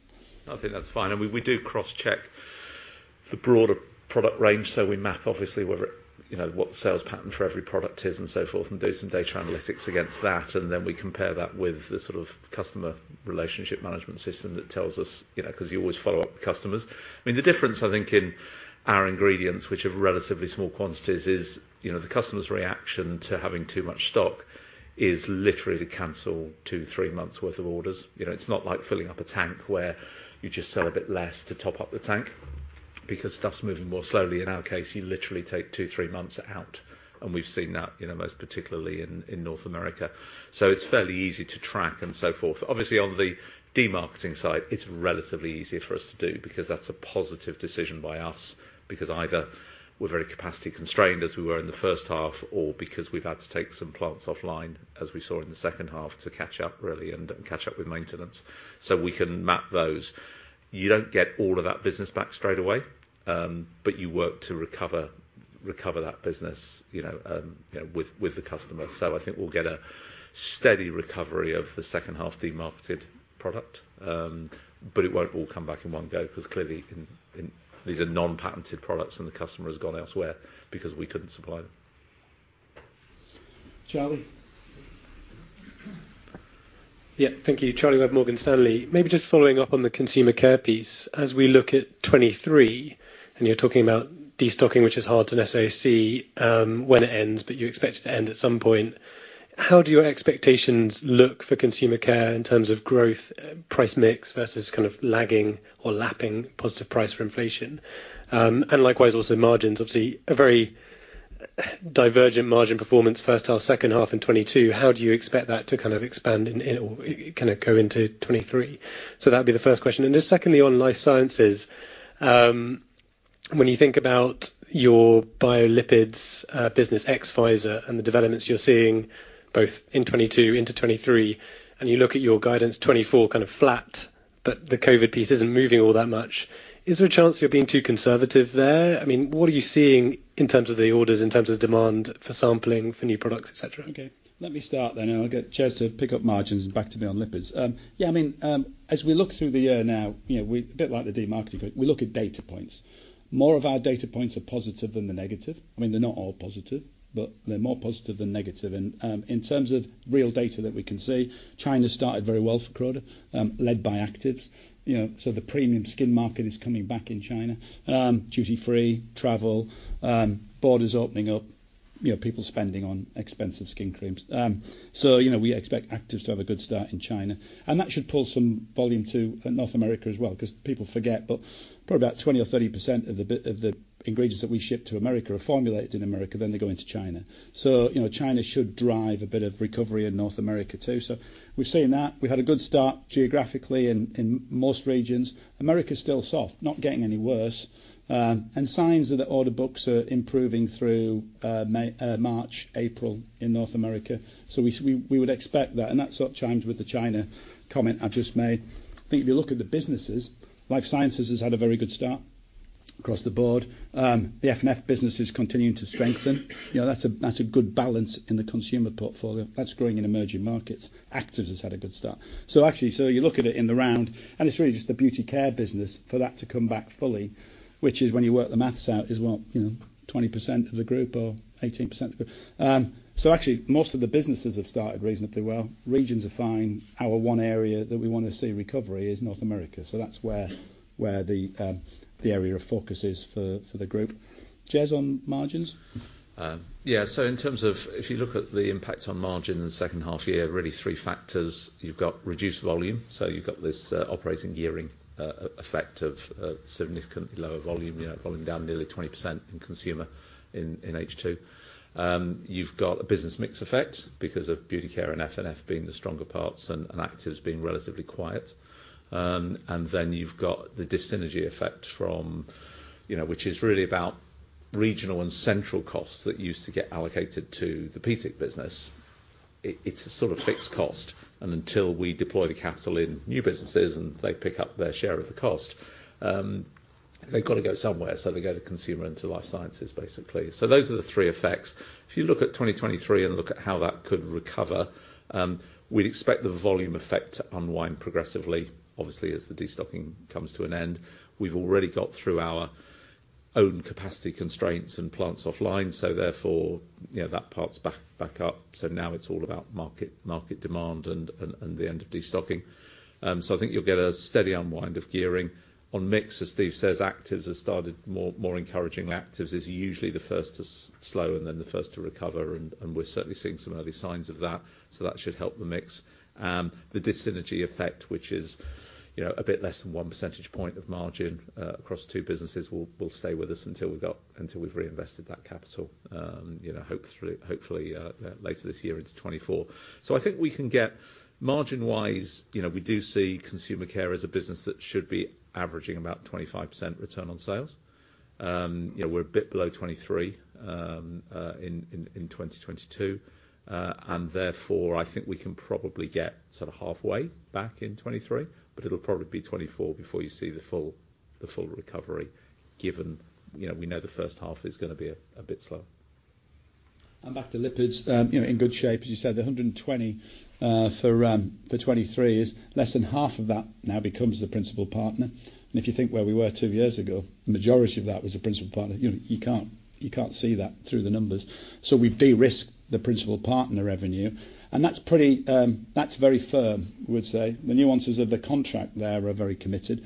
I think that's fine. We do cross-check the broader product range, so we map obviously whether, you know, what the sales pattern for every product is and so forth, and do some data analytics against that. Then we compare that with the sort of customer relationship management system that tells us, you know, 'cause you always follow up with customers. I mean, the difference I think in our ingredients, which are relatively small quantities, is, you know, the customer's reaction to having too much stock is literally to cancel two, three months' worth of orders. You know, it's not like filling up a tank where you just sell a bit less to top up the tank. Stuff's moving more slowly in our case, you literally take two, three months out, and we've seen that, you know, most particularly in North America. It's fairly easy to track and so forth. Obviously on the demarketing side, it's relatively easier for us to do because that's a positive decision by us, because either we're very capacity constrained as we were in the first half, or because we've had to take some plants offline, as we saw in the second half, to catch up really and catch up with maintenance. We can map those. You don't get all of that business back straight away, but you work to recover that business, you know, with the customer. I think we'll get a steady recovery of the second half demarketed product. But it won't all come back in one go 'cause clearly in these are non-patented products and the customer has gone elsewhere because we couldn't supply them. Charlie. Yeah. Thank you. Charlie Webb, Morgan Stanley. Maybe just following up on the Consumer Care piece. As we look at 2023, you're talking about destocking, which is hard to necessarily see, when it ends, but you expect it to end at some point. How do your expectations look for Consumer Care in terms of growth, price mix versus kind of lagging or lapping positive price for inflation? Likewise also margins. Obviously, a very divergent margin performance first half, second half in 2022. How do you expect that to kind of expand or kind of go into 2023? That'd be the first question. Secondly, on Life Sciences, when you think about your bio-lipids, business ex-Pfizer and the developments you're seeing both in 2022 into 2023, and you look at your guidance 2024 kind of flat, but the COVID piece isn't moving all that much. Is there a chance you're being too conservative there? I mean, what are you seeing in terms of the orders, in terms of demand for sampling for new products, et cetera? Okay. Let me start then, and I'll get Jez to pick up margins and back to me on lipids. I mean, as we look through the year now, you know, a bit like the demarketing group, we look at data points. More of our data points are positive than the negative. I mean, they're not all positive, but they're more positive than negative. In terms of real data that we can see, China started very well for Croda, led by actives. You know, the premium skin market is coming back in China, duty-free, travel, borders opening up, you know, people spending on expensive skin creams. You know, we expect actives to have a good start in China. That should pull some volume to North America as well, 'cause people forget, but probably about 20% or 30% of the ingredients that we ship to America are formulated in America, then they go into China. You know, China should drive a bit of recovery in North America too. We're seeing that. We had a good start geographically in most regions. America's still soft, not getting any worse, and signs of the order books are improving through May, March, April in North America. We would expect that, and that sort of chimes with the China comment I've just made. If you look at the businesses, Life Sciences has had a very good start across the board. The FNF business is continuing to strengthen. You know, that's a good balance in the consumer portfolio. That's growing in emerging markets. Actives has had a good start. Actually, you look at it in the round, and it's really just the Beauty Care business for that to come back fully, which is when you work the math out is what? You know, 20% of the group or 18% of the group. Actually, most of the businesses have started reasonably well. Regions are fine. Our one area that we wanna see recovery is North America. That's where the area of focus is for the group. Jez, on margins? Yeah. In terms of if you look at the impact on margin in the second half year, really three factors. You've got reduced volume. You've got this operating gearing effect of significantly lower volume, you know, volume down nearly 20% in Consumer in H2. You've got a business mix effect because of Beauty Care and F&F being the stronger parts and Actives being relatively quiet. You've got the dis-synergy effect from, you know, which is really about regional and central costs that used to get allocated to the PTIC business. It's a sort of fixed cost. Until we deploy the capital in new businesses and they pick up their share of the cost, they've got to go somewhere, so they go to Consumer and to Life Sciences, basically. Those are the three effects. If you look at 2023 and look at how that could recover, we'd expect the volume effect to unwind progressively, obviously, as the destocking comes to an end. We've already got through our own capacity constraints and plants offline, so therefore, you know, that part's back up. Now it's all about market demand and the end of destocking. I think you'll get a steady unwind of gearing. On mix, as Steve says, Actives have started more encouragingly. Actives is usually the first to slow and then the first to recover, and we're certainly seeing some early signs of that. That should help the mix. The dis-synergy effect, which is, you know, a bit less than one percentage point of margin, across two businesses, will stay with us until we've reinvested that capital, you know, hopefully, later this year into 2024. I think we can get, margin-wise, you know, we do see Consumer Care as a business that should be averaging about 25% return on sales. You know, we're a bit below 23, in 2022. Therefore, I think we can probably get sort of halfway back in 2023, but it'll probably be 2024 before you see the full, the full recovery, given, you know, we know the first half is gonna be a bit slow. Back to lipids, you know, in good shape, as you said, the 120 for 2023 is less than half of that now becomes the principal partner. If you think where we were two years ago, the majority of that was the principal partner. You know, you can't see that through the numbers. We've de-risked the principal partner revenue, and that's pretty, that's very firm, I would say. The nuances of the contract there are very committed.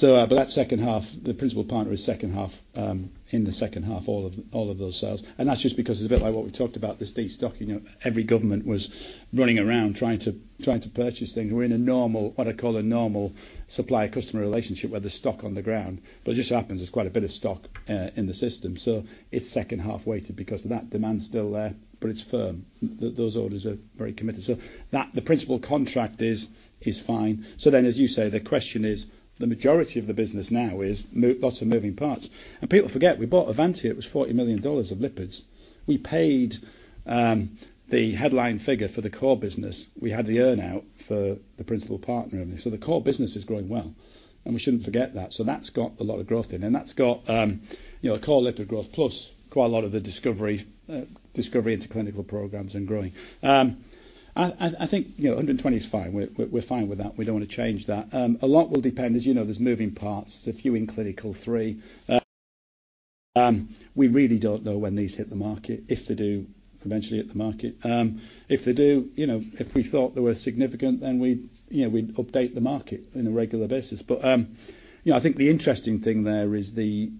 That second half, the principal partner is second half, in the second half, all of those sales. That's just because it's a bit like what we talked about, this destocking. You know, every government was running around trying to, trying to purchase things. We're in a normal, what I call a normal supplier-customer relationship where there's stock on the ground. It just so happens there's quite a bit of stock in the system. It's second half weighted because of that demand still there, but it's firm. Those orders are very committed. That, the principal contract is fine. As you say, the question is, the majority of the business now is lots of moving parts. People forget, we bought Avanti, it was $40 million of lipids. We paid the headline figure for the core business. We had the earn-out for the principal partner. The core business is growing well, and we shouldn't forget that. That's got a lot of growth in, and that's got, you know, core lipid growth plus quite a lot of the discovery into clinical programs and growing. I think, you know, 120 is fine. We're fine with that. We don't wanna change that. A lot will depend, as you know, there's moving parts. There's a few in clinical three. We really don't know when these hit the market, if they do eventually hit the market. If they do, you know, if we thought they were significant, then we'd, you know, we'd update the market on a regular basis. I think, you know, the interesting thing there is the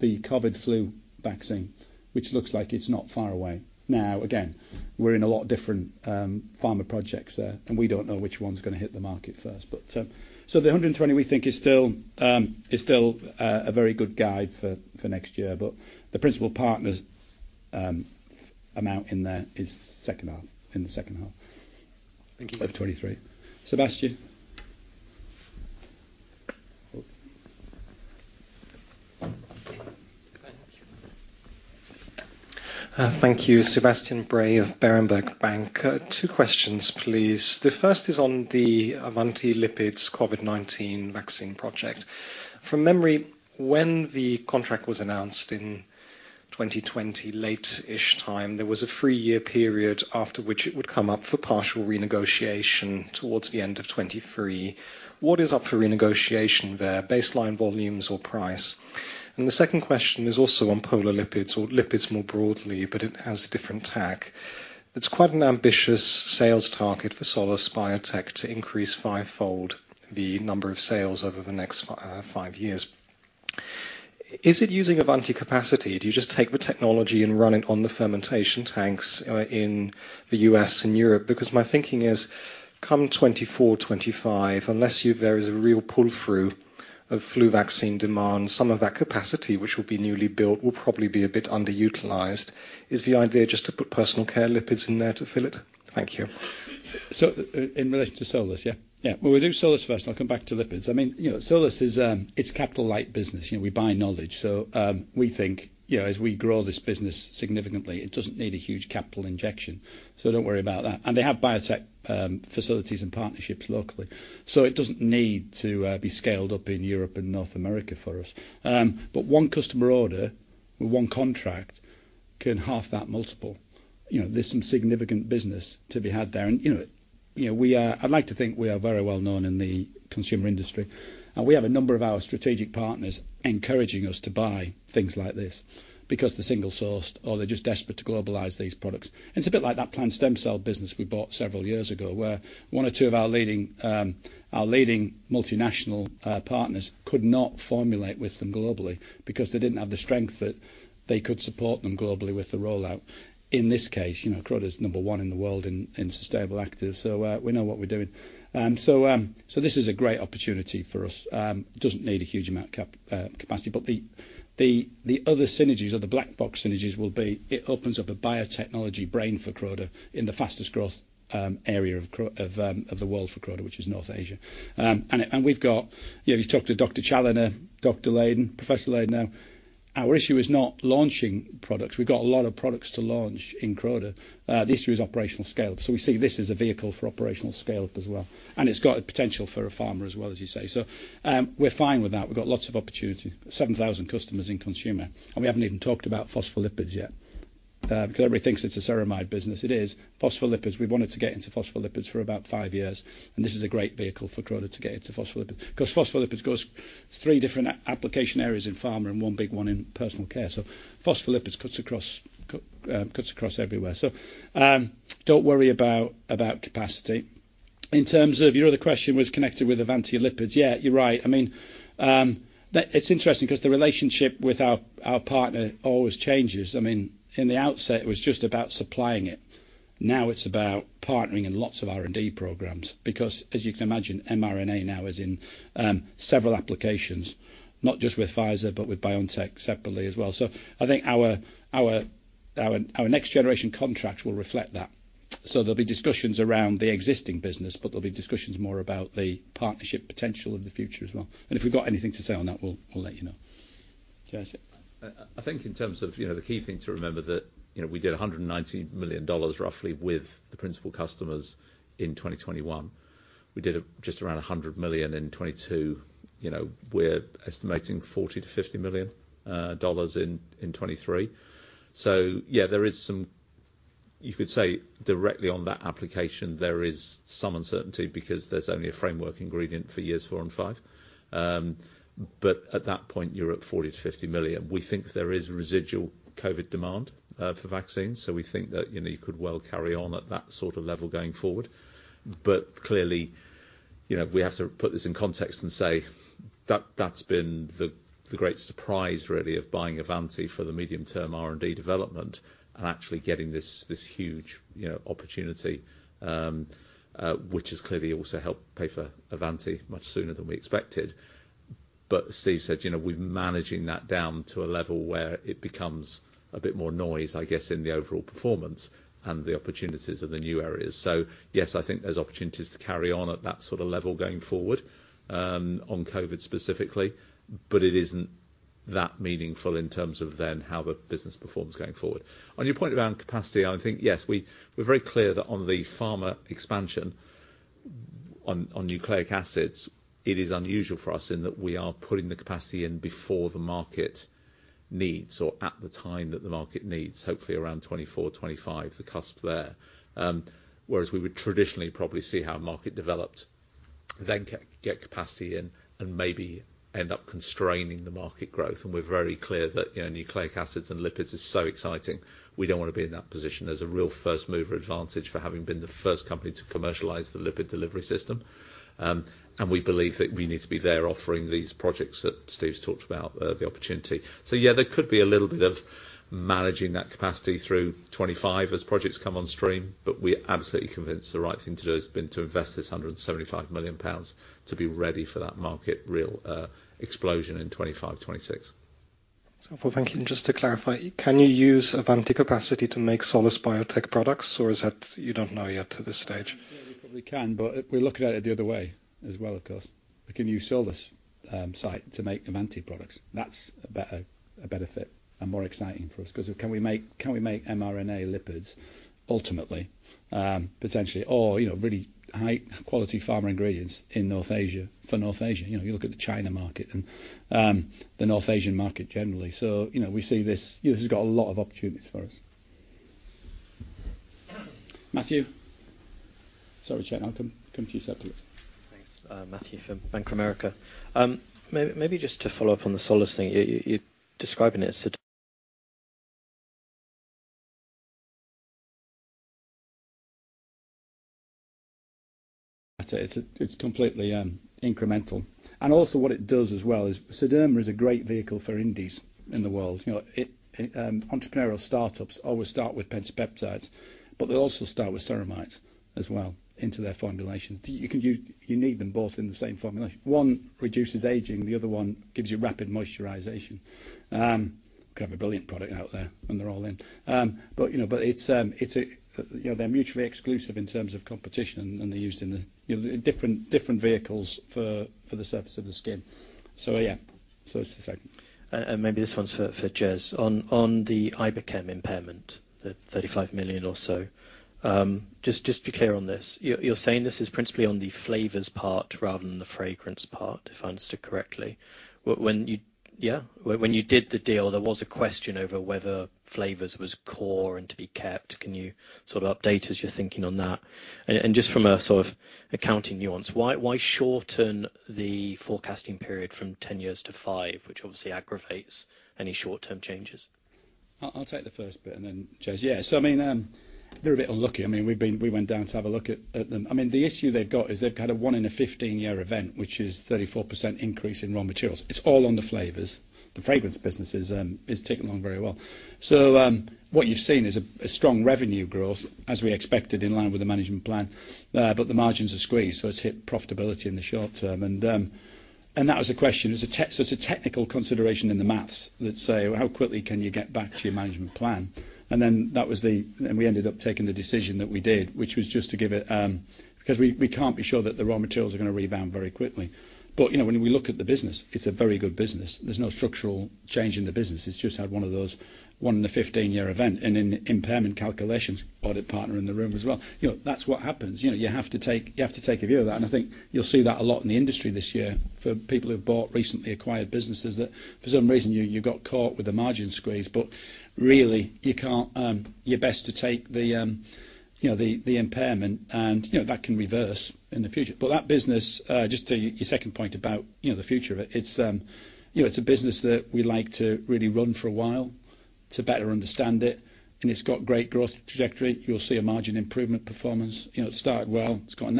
COVID flu vaccine, which looks like it's not far away. Again, we're in a lot of different, pharma projects there, and we don't know which one's gonna hit the market first. The 120 we think is still, is still, a very good guide for next year. The principal partners, amount in there is second half. Thank you. Of 2023. Sebastian. Thank you. Thank you. Sebastian Bray of Berenberg Bank. Two questions, please. The first is on the Avanti Lipids COVID-19 vaccine project. From memory, when the contract was announced in 2020 late-ish time, there was a 3-year period after which it would come up for partial renegotiation towards the end of 2023. What is up for renegotiation there? Baseline volumes or price? The second question is also on polar lipids or lipids more broadly, but it has a different tack. It's quite an ambitious sales target for Solus Biotech to increase 5-fold the number of sales over the next five years. Is it using Avanti capacity? Do you just take the technology and run it on the fermentation tanks in the U.S. and Europe? My thinking is, come 2024, 2025, unless there is a real pull-through of flu vaccine demand, some of that capacity, which will be newly built, will probably be a bit underutilized. Is the idea just to put personal care lipids in there to fill it? Thank you. In relation to Solus, yeah? Yeah. We'll do Solus first, and I'll come back to lipids. I mean, you know, Solus is, it's capital-light business. You know, we buy knowledge. We think, you know, as we grow this business significantly, it doesn't need a huge capital injection. Don't worry about that. They have biotech facilities and partnerships locally. It doesn't need to be scaled up in Europe and North America for us. One customer order with one contract can half that multiple. You know, there's some significant business to be had there. You know, we, I'd like to think we are very well known in the consumer industry. We have a number of our strategic partners encouraging us to buy things like this because they're single-sourced or they're just desperate to globalize these products. It's a bit like that plant stem cell business we bought several years ago, where one or two of our leading multinational partners could not formulate with them globally because they didn't have the strength that they could support them globally with the rollout. In this case, you know, Croda's number one in the world in sustainable actives, we know what we're doing. This is a great opportunity for us. Doesn't need a huge amount of capacity. The other synergies or the black box synergies will be, it opens up a biotechnology brain for Croda in the fastest growth area of the world for Croda, which is North Asia. We've got... You know, if you talk to Dr. Challoner, Dr. Layden, Professor Layden now, our issue is not launching products. We've got a lot of products to launch in Croda. The issue is operational scale-up. We see this as a vehicle for operational scale-up as well. It's got the potential for a pharma as well, as you say. We're fine with that. We've got lots of opportunity. 7,000 customers in consumer, and we haven't even talked about phospholipids yet. Everybody thinks it's a ceramide business. It is. Phospholipids, we've wanted to get into phospholipids for about five years, and this is a great vehicle for Croda to get into phospholipids. Phospholipids goes three different application areas in pharma and one big one in personal care. Phospholipids cuts across everywhere. Don't worry about capacity. In terms of your other question was connected with Avanti lipids. Yeah, you're right. I mean, it's interesting 'cause the relationship with our partner always changes. I mean, in the outset, it was just about supplying it. Now it's about partnering in lots of R&D programs because as you can imagine, mRNA now is in several applications, not just with Pfizer, but with BioNTech separately as well. I think our next generation contracts will reflect that. There'll be discussions around the existing business, but there'll be discussions more about the partnership potential of the future as well. If we've got anything to say on that, we'll let you know. Joseph? I think in terms of, you know, the key thing to remember that, you know, we did $190 million roughly with the principal customers in 2021. We did just around $100 million in 2022. You know, we're estimating $40 million-$50 million in 2023. Yeah, there is some, you could say, directly on that application, there is some uncertainty because there's only a framework ingredient for years four and five. But at that point, you're at $40 million-$50 million. We think there is residual COVID demand for vaccines, so we think that, you know, you could well carry on at that sort of level going forward. Clearly, you know, we have to put this in context and say that that's been the great surprise really of buying Avanti for the medium-term R&D development and actually getting this huge, you know, opportunity, which has clearly also helped pay for Avanti much sooner than we expected. Steve said, you know, we're managing that down to a level where it becomes a bit more noise, I guess, in the overall performance and the opportunities of the new areas. Yes, I think there's opportunities to carry on at that sort of level going forward on COVID specifically, but it isn't that meaningful in terms of then how the business performs going forward. On your point around capacity, I think, yes, we're very clear that on the pharma expansion on nucleic acids, it is unusual for us in that we are putting the capacity in before the market needs or at the time that the market needs, hopefully around 2024, 2025, the cusp there. Whereas we would traditionally probably see how a market developed. Get capacity in and maybe end up constraining the market growth. We're very clear that, you know, nucleic acids and lipids is so exciting, we don't wanna be in that position. There's a real first-mover advantage for having been the first company to commercialize the lipid delivery system. We believe that we need to be there offering these projects that Steve's talked about, the opportunity. Yeah, there could be a little bit of managing that capacity through 2025 as projects come on stream, but we're absolutely convinced the right thing to do has been to invest this 175 million pounds to be ready for that market real explosion in 2025, 2026. Thank you. Just to clarify, can you use Avanti capacity to make Solus Biotech products, or is that you don't know yet to this stage? Yeah, we probably can, but we're looking at it the other way as well, of course. We can use Solus site to make Avanti products. That's a better, a benefit and more exciting for us 'cause can we make mRNA lipids ultimately, potentially, or, you know, really high quality pharma ingredients in North Asia for North Asia? You know, you look at the China market and the North Asian market generally. You know, we see this has got a lot of opportunities for us. Sorry, Chet. I'll come to you afterwards. Thanks. Matthew from Bank of America. Maybe just to follow up on the Solus thing. You're describing it as a. It's completely incremental. Also what it does as well is Sederma is a great vehicle for indies in the world. You know, it entrepreneurial startups always start with pentapeptides, but they also start with ceramides as well into their formulation. You need them both in the same formulation. One reduces aging, the other one gives you rapid moisturization. Have a brilliant product out there when they're all in. You know, it's. You know, they're mutually exclusive in terms of competition, and they're used in the, you know, different vehicles for the surface of the skin. Yeah. It's the same. Maybe this one's for Jez. On the Iberchem impairment, the 35 million or so, just be clear on this. You're saying this is principally on the flavors part rather than the fragrance part, if I understood correctly. Yeah? When you did the deal, there was a question over whether flavors was core and to be kept. Can you sort of update us, your thinking on that? Just from a sort of accounting nuance, why shorten the forecasting period from 10 years to five, which obviously aggravates any short-term changes? I'll take the first bit and then Jez. Yeah. I mean, they're a bit unlucky. I mean, we went down to have a look at them. I mean, the issue they've got is they've had a one in a 15-year event, which is 34% increase in raw materials. It's all on the flavors. The fragrance business is ticking along very well. What you've seen is a strong revenue growth, as we expected, in line with the management plan, but the margins are squeezed, so it's hit profitability in the short term. That was a question. It's a technical consideration in the math that say, "Well, how quickly can you get back to your management plan?" That was the. We ended up taking the decision that we did, which was just to give it, because we can't be sure that the raw materials are gonna rebound very quickly. You know, when we look at the business, it's a very good business. There's no structural change in the business. It's just had one of those 1 in a 15-year event. In impairment calculations, audit partner in the room as well, you know, that's what happens. You know, you have to take a view of that. I think you'll see that a lot in the industry this year for people who've bought recently acquired businesses that for some reason you got caught with a margin squeeze. Really, you can't, your best to take the, you know, the impairment and, you know, that can reverse in the future. That business, just to your second point about, you know, the future of it's, you know, it's a business that we like to really run for a while to better understand it, and it's got great growth trajectory. You'll see a margin improvement performance. You know, it's started well. It's got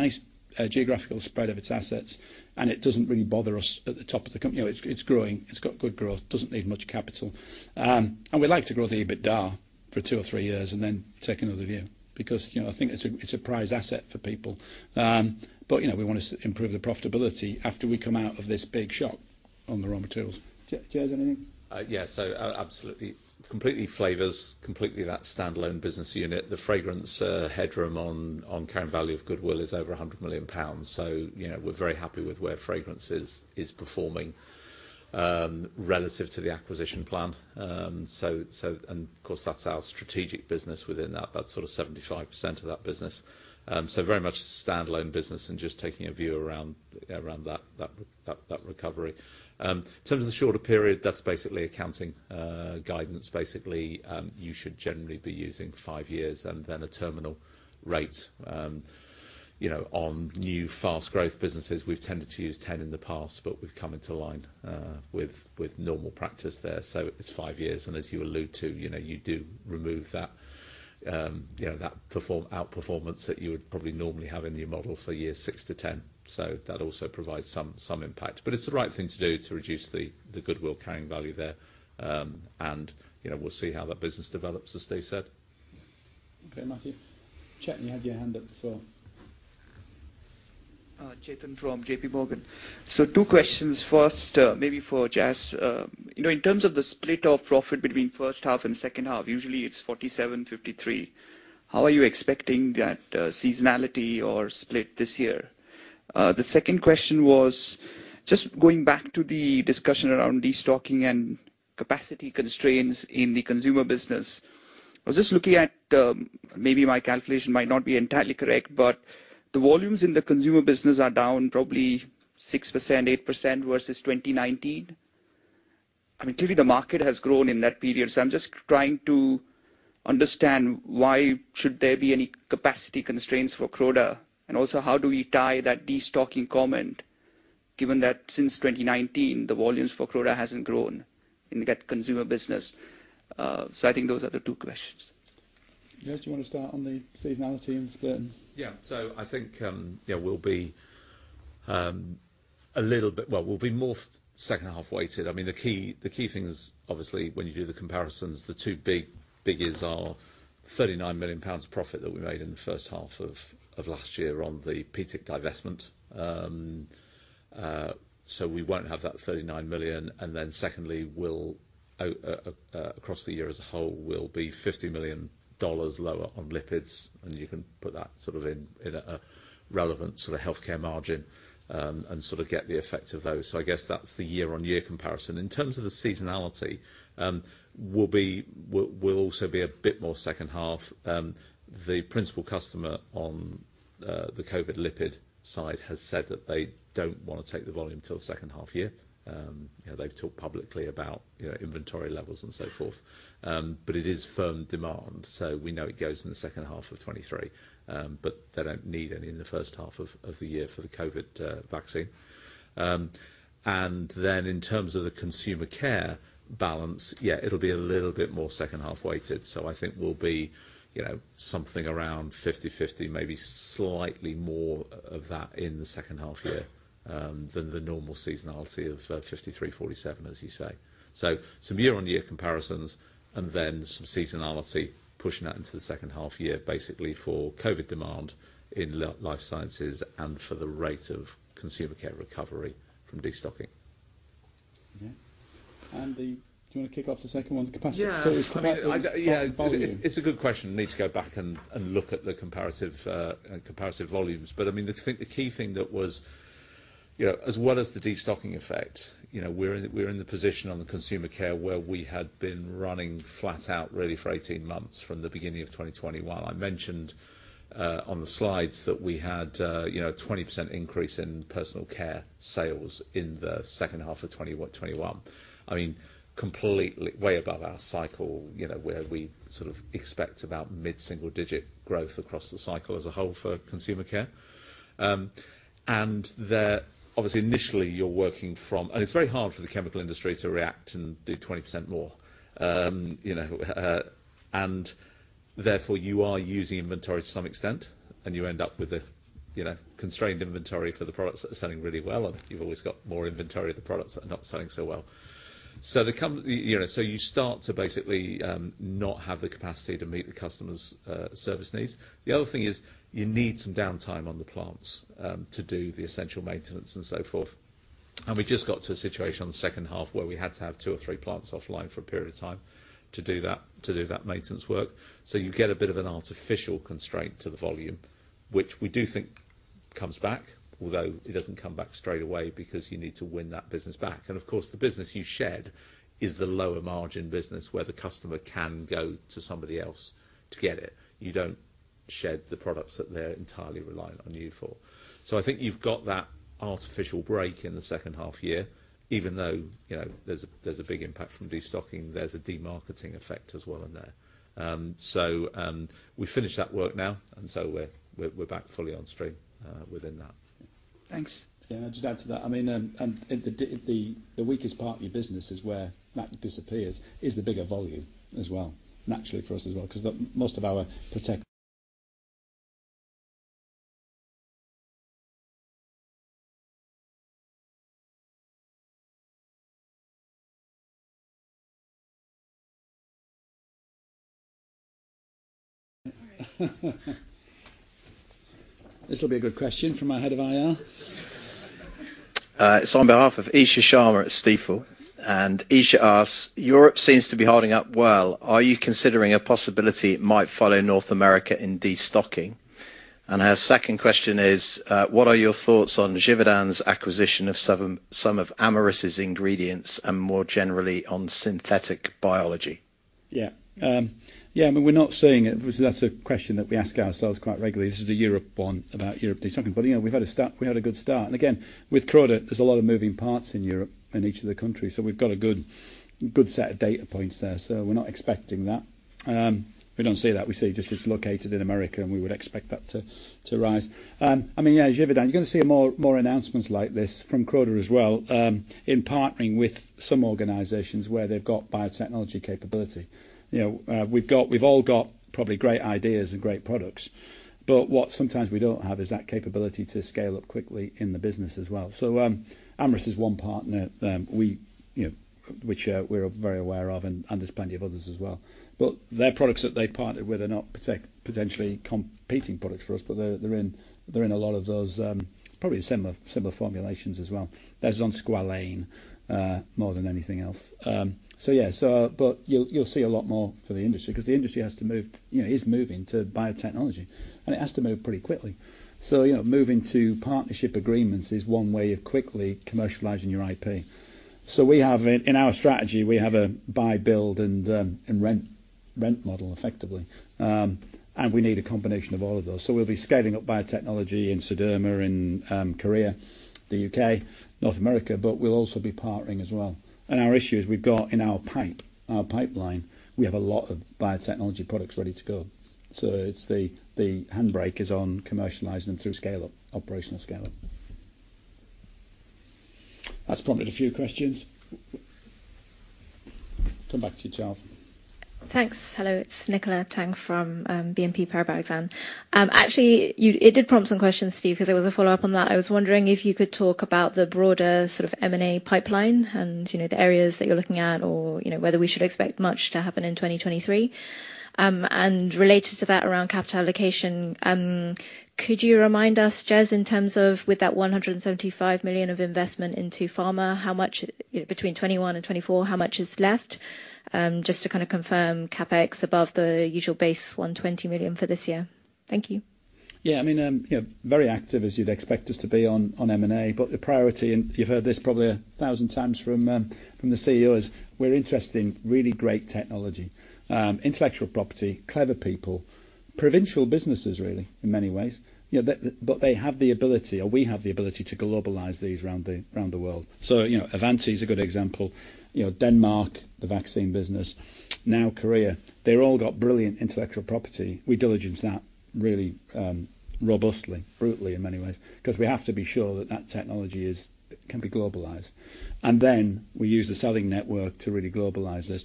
a nice geographical spread of its assets, and it doesn't really bother us at the top of the company. You know, it's growing. It's got good growth. Doesn't need much capital. We like to grow the EBITDA for two or three years and then take another view because, you know, I think it's a prize asset for people. You know, we want to improve the profitability after we come out of this big shock on the raw materials. Jez, anything? Yeah. Absolutely. Completely flavors, completely that standalone business unit. The fragrance headroom on carrying value of goodwill is over 100 million pounds. You know, we're very happy with where fragrances is performing relative to the acquisition plan. Of course, that's our strategic business within that. That's sort of 75% of that business. Very much standalone business and just taking a view around that recovery. In terms of the shorter period, that's basically accounting guidance. Basically, you should generally be using five years and then a terminal rate. You know, on new fast growth businesses, we've tended to use 10 in the past, but we've come into line with normal practice there. It's five years. As you allude to, you know, you do remove that, you know, outperformance that you would probably normally have in your model for years 6-10. That also provides some impact. It's the right thing to do to reduce the goodwill carrying value there. We'll see how that business develops, as Steve said. Okay. Matthew. Chet, you have your hand up as well. Chetan from JPMorgan. Two questions. First, maybe for Jez. You know, in terms of the split of profit between first half and second half, usually it's 47, 53. How are you expecting that seasonality or split this year? The second question was just going back to the discussion around destocking and capacity constraints in the consumer business. I was just looking at, maybe my calculation might not be entirely correct, but the volumes in the consumer business are down probably 6%, 8% versus 2019. I mean, clearly the market has grown in that period, so I'm just trying to understand why should there be any capacity constraints for Croda, and also how do we tie that destocking comment, given that since 2019 the volumes for Croda hasn't grown in that consumer business. I think those are the two questions. Yeah. Do you wanna start on the seasonality and split them? Yeah. I think, well, we'll be more second half weighted. I mean, the key thing is obviously when you do the comparisons, the two biggest are 39 million pounds profit that we made in the first half of last year on the PTIC divestment. We won't have that 39 million, and then secondly, we'll across the year as a whole will be $50 million lower on lipids. You can put that sort of in a relevant sort of healthcare margin, and sort of get the effect of those. I guess that's the year-on-year comparison. In terms of the seasonality, we'll also be a bit more second half. The principal customer on the COVID lipid side has said that they don't wanna take the volume till the second half year. You know, they've talked publicly about, you know, inventory levels and so forth. It is firm demand, so we know it goes in the second half of 2023, but they don't need any in the first half of the year for the COVID vaccine. In terms of the Consumer Care balance, yeah, it'll be a little bit more second half weighted. I think we'll be, you know, something around 50/50, maybe slightly more of that in the second half year, than the normal seasonality of 53/47, as you say. Some year-on-year comparisons and then some seasonality, pushing that into the second half year, basically for COVID demand in Life Sciences and for the rate of Consumer Care recovery from destocking. Yeah. Andy, do you wanna kick off the second one? Yeah. Comparative part volume. I mean, Yeah. It's a good question. Need to go back and look at the comparative volumes. I mean, the thing, the key thing that was, you know, as well as the destocking effect, you know, we're in the position on the Consumer Care where we had been running flat out really for 18 months from the beginning of 2021. I mentioned on the slides that we had, you know, 20% increase in personal care sales in the second half of 2021. I mean, completely way above our cycle, you know, where we sort of expect about mid-single digit growth across the cycle as a whole for Consumer Care. There obviously initially you're working from. It's very hard for the chemical industry to react and do 20% more. You know, therefore you are using inventory to some extent, and you end up with a, you know, constrained inventory for the products that are selling really well, and you've always got more inventory of the products that are not selling so well. You know, you start to basically not have the capacity to meet the customers' service needs. The other thing is you need some downtime on the plants to do the essential maintenance and so forth. We just got to a situation in the second half where we had to have two or three plants offline for a period of time to do that maintenance work. You get a bit of an artificial constraint to the volume, which we do think comes back, although it doesn't come back straight away because you need to win that business back. Of course, the business you shed is the lower margin business where the customer can go to somebody else to get it. You don't shed the products that they're entirely reliant on you for. I think you've got that artificial break in the second half year, even though there's a big impact from destocking. There's a demarketing effect as well in there. We finished that work now, we're back fully on stream within that. Thanks. Yeah. Just add to that, I mean, the weakest part of your business is where that disappears is the bigger volume as well. Naturally for us as well, 'cause the, most of our This will be a good question from our head of IR. It's on behalf of Isha Sharma at Stifel. Isha asks, "Europe seems to be holding up well. Are you considering a possibility it might follow North America in destocking?" Her second question is, "What are your thoughts on Givaudan's acquisition of some of Amyris' ingredients and more generally on synthetic biology? Yeah, I mean, we're not seeing it. That's a question that we ask ourselves quite regularly. This is the Europe one about Europe destocking. Yeah, we've had a start, we had a good start. Again, with Croda, there's a lot of moving parts in Europe in each of the countries, so we've got a good set of data points there. We're not expecting that. We don't see that. We see it just is located in America, and we would expect that to rise. I mean, yeah, Givaudan, you're gonna see more announcements like this from Croda as well, in partnering with some organizations where they've got biotechnology capability. You know, we've all got probably great ideas and great products, but what sometimes we don't have is that capability to scale up quickly in the business as well. Amyris is one partner that we, you know, which we're very aware of, and there's plenty of others as well. Their products that they partnered with are not potentially competing products for us, but they're in a lot of those, probably similar formulations as well. That's on squalane, more than anything else. Yeah. You'll see a lot more for the industry, 'cause the industry has to move, you know, is moving to biotechnology, and it has to move pretty quickly. You know, moving to partnership agreements is one way of quickly commercializing your IP. We have in our strategy, we have a buy, build and rent model effectively. We need a combination of all of those. We'll be scaling up biotechnology in Sederma, in Korea, the U.K., North America, but we'll also be partnering as well. Our issue is we've got in our pipeline, we have a lot of biotechnology products ready to go. It's the handbrake is on commercializing them through scale-up, operational scale-up. That's prompted a few questions. Come back to you, Charlie. Thanks. Hello, it's Nicola Tang from BNP Paribas Exane. Actually, it did prompt some questions, Steve, 'cause there was a follow-up on that. I was wondering if you could talk about the broader sort of M&A pipeline and, you know, the areas that you're looking at or, you know, whether we should expect much to happen in 2023. Related to that around capital allocation, could you remind us, Jez, in terms of with that 175 million of investment into pharma, how much, between 2021 and 2024, how much is left? Just to kinda confirm CapEx above the usual base, 120 million for this year. Thank you. Yeah. I mean, you know, very active as you'd expect us to be on M&A, the priority, and you've heard this probably 1,000 times from the CEO, is we're interested in really great technology, intellectual property, clever people, provincial businesses really, in many ways. You know, they have the ability, or we have the ability to globalize these around the world. You know, Avanti is a good example. You know, Denmark, the vaccine business, now Korea, they've all got brilliant intellectual property. We diligence that really robustly, brutally in many ways, 'cause we have to be sure that technology can be globalized. We use the selling network to really globalize this.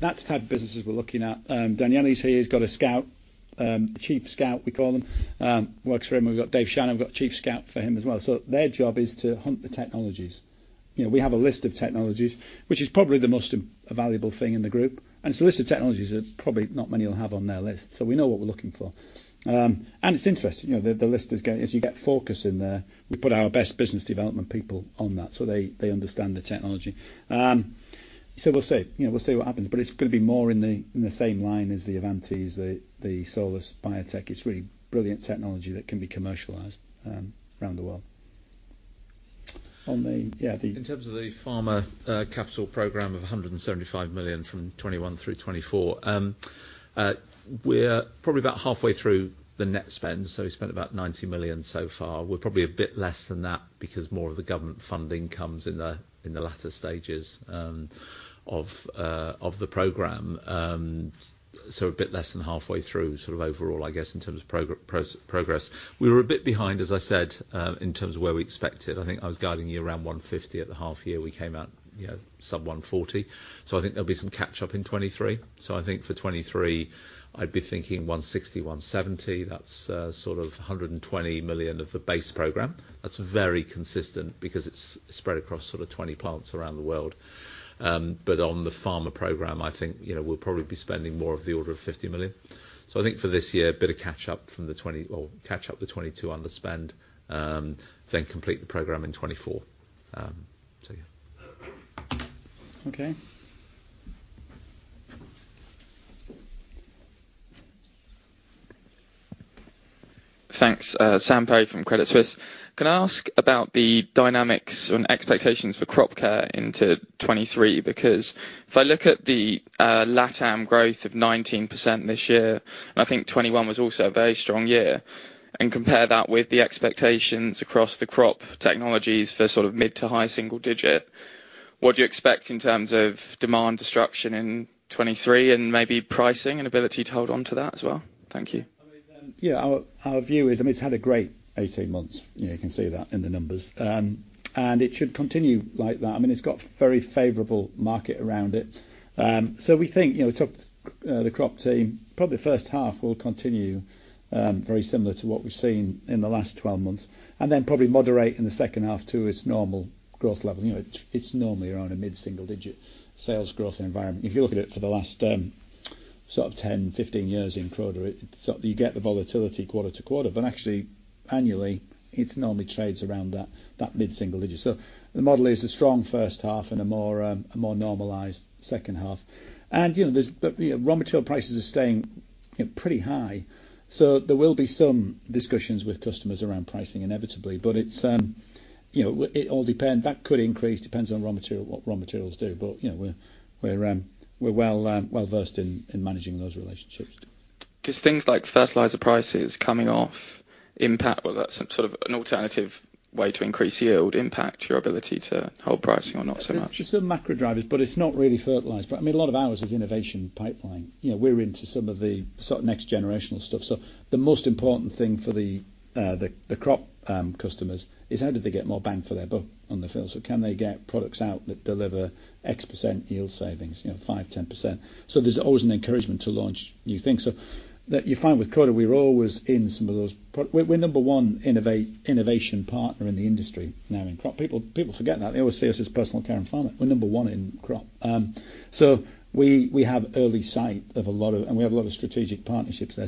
That's the type of businesses we're looking at. Daniele, he's got a scout, chief scout, we call them, works for him. We've got David Shannon, we've got chief scout for him as well. Their job is to hunt the technologies. You know, we have a list of technologies, which is probably the most valuable thing in the group. It's a list of technologies that probably not many will have on their list. We know what we're looking for. It's interesting, you know, the list is as you get focus in there, we put our best business development people on that, so they understand the technology. We'll see. You know, we'll see what happens. It's gonna be more in the, in the same line as the Avantis, the Solus Biotech. It's really brilliant technology that can be commercialized, around the world. On the... Yeah. In terms of the pharma CapEx program of GBP 175 million from 2021 through 2024, we're probably about halfway through the net spend, so we spent about 90 million so far. We're probably a bit less than that because more of the government funding comes in the latter stages of the program. A bit less than halfway through sort of overall, I guess, in terms of progress. We were a bit behind, as I said, in terms of where we expected. I think I was guiding you around 150 at the half year, we came out, you know, sub 140. I think there'll be some catch up in 2023. I think for 2023, I'd be thinking 160-170. That's sort of 120 million of the base program. That's very consistent because it's spread across sort of 20 plants around the world. On the pharma program, I think, you know, we'll probably be spending more of the order of 50 million. I think for this year, a bit of catch up from the 2020 or catch up to 2022 underspend, then complete the program in 2024. Yeah. Okay. Thanks. Sam Perry from Credit Suisse. Can I ask about the dynamics and expectations for crop care into 2023? Because if I look at the LatAm growth of 19% this year, and I think 2021 was also a very strong year, and compare that with the expectations across the crop technologies for sort of mid to high single digit, what do you expect in terms of demand destruction in 2023 and maybe pricing and ability to hold on to that as well? Thank you. I mean, yeah, our view is, I mean, it's had a great 18 months, you know, you can see that in the numbers. It should continue like that. I mean, it's got very favorable market around it. We think, you know, talk, the Crop Protection team, probably first half will continue very similar to what we've seen in the last 12 months, and then probably moderate in the second half to its normal growth level. You know, it's normally around a mid-single digit sales growth environment. If you look at it for the last, sort of 10, 15 years in Croda, it's, you get the volatility quarter-to-quarter, but actually annually, it normally trades around that mid-single digit. The model is a strong first half and a more normalized second half. You know, there's... You know, raw material prices are staying, you know, pretty high. There will be some discussions with customers around pricing inevitably, but it's, you know, it all depend. That could increase, depends on raw material, what raw materials do. You know, we're well, well-versed in managing those relationships. Does things like fertilizer prices coming off impact, or that's some sort of an alternative way to increase yield impact your ability to hold pricing or not so much? There's some macro drivers, but it's not really fertilizer. I mean, a lot of ours is innovation pipeline. You know, we're into some of the sort of next generational stuff. The most important thing for the crop customers is how do they get more bang for their buck on the field. Can they get products out that deliver X percent yield savings, you know, 5%, 10%. There's always an encouragement to launch new things. That you find with Croda, we're always in some of those. We're number one innovation partner in the industry now in crop. People forget that. They always see us as personal care and pharma. We're number one in crop. We have early sight of a lot of, and we have a lot of strategic partnerships there.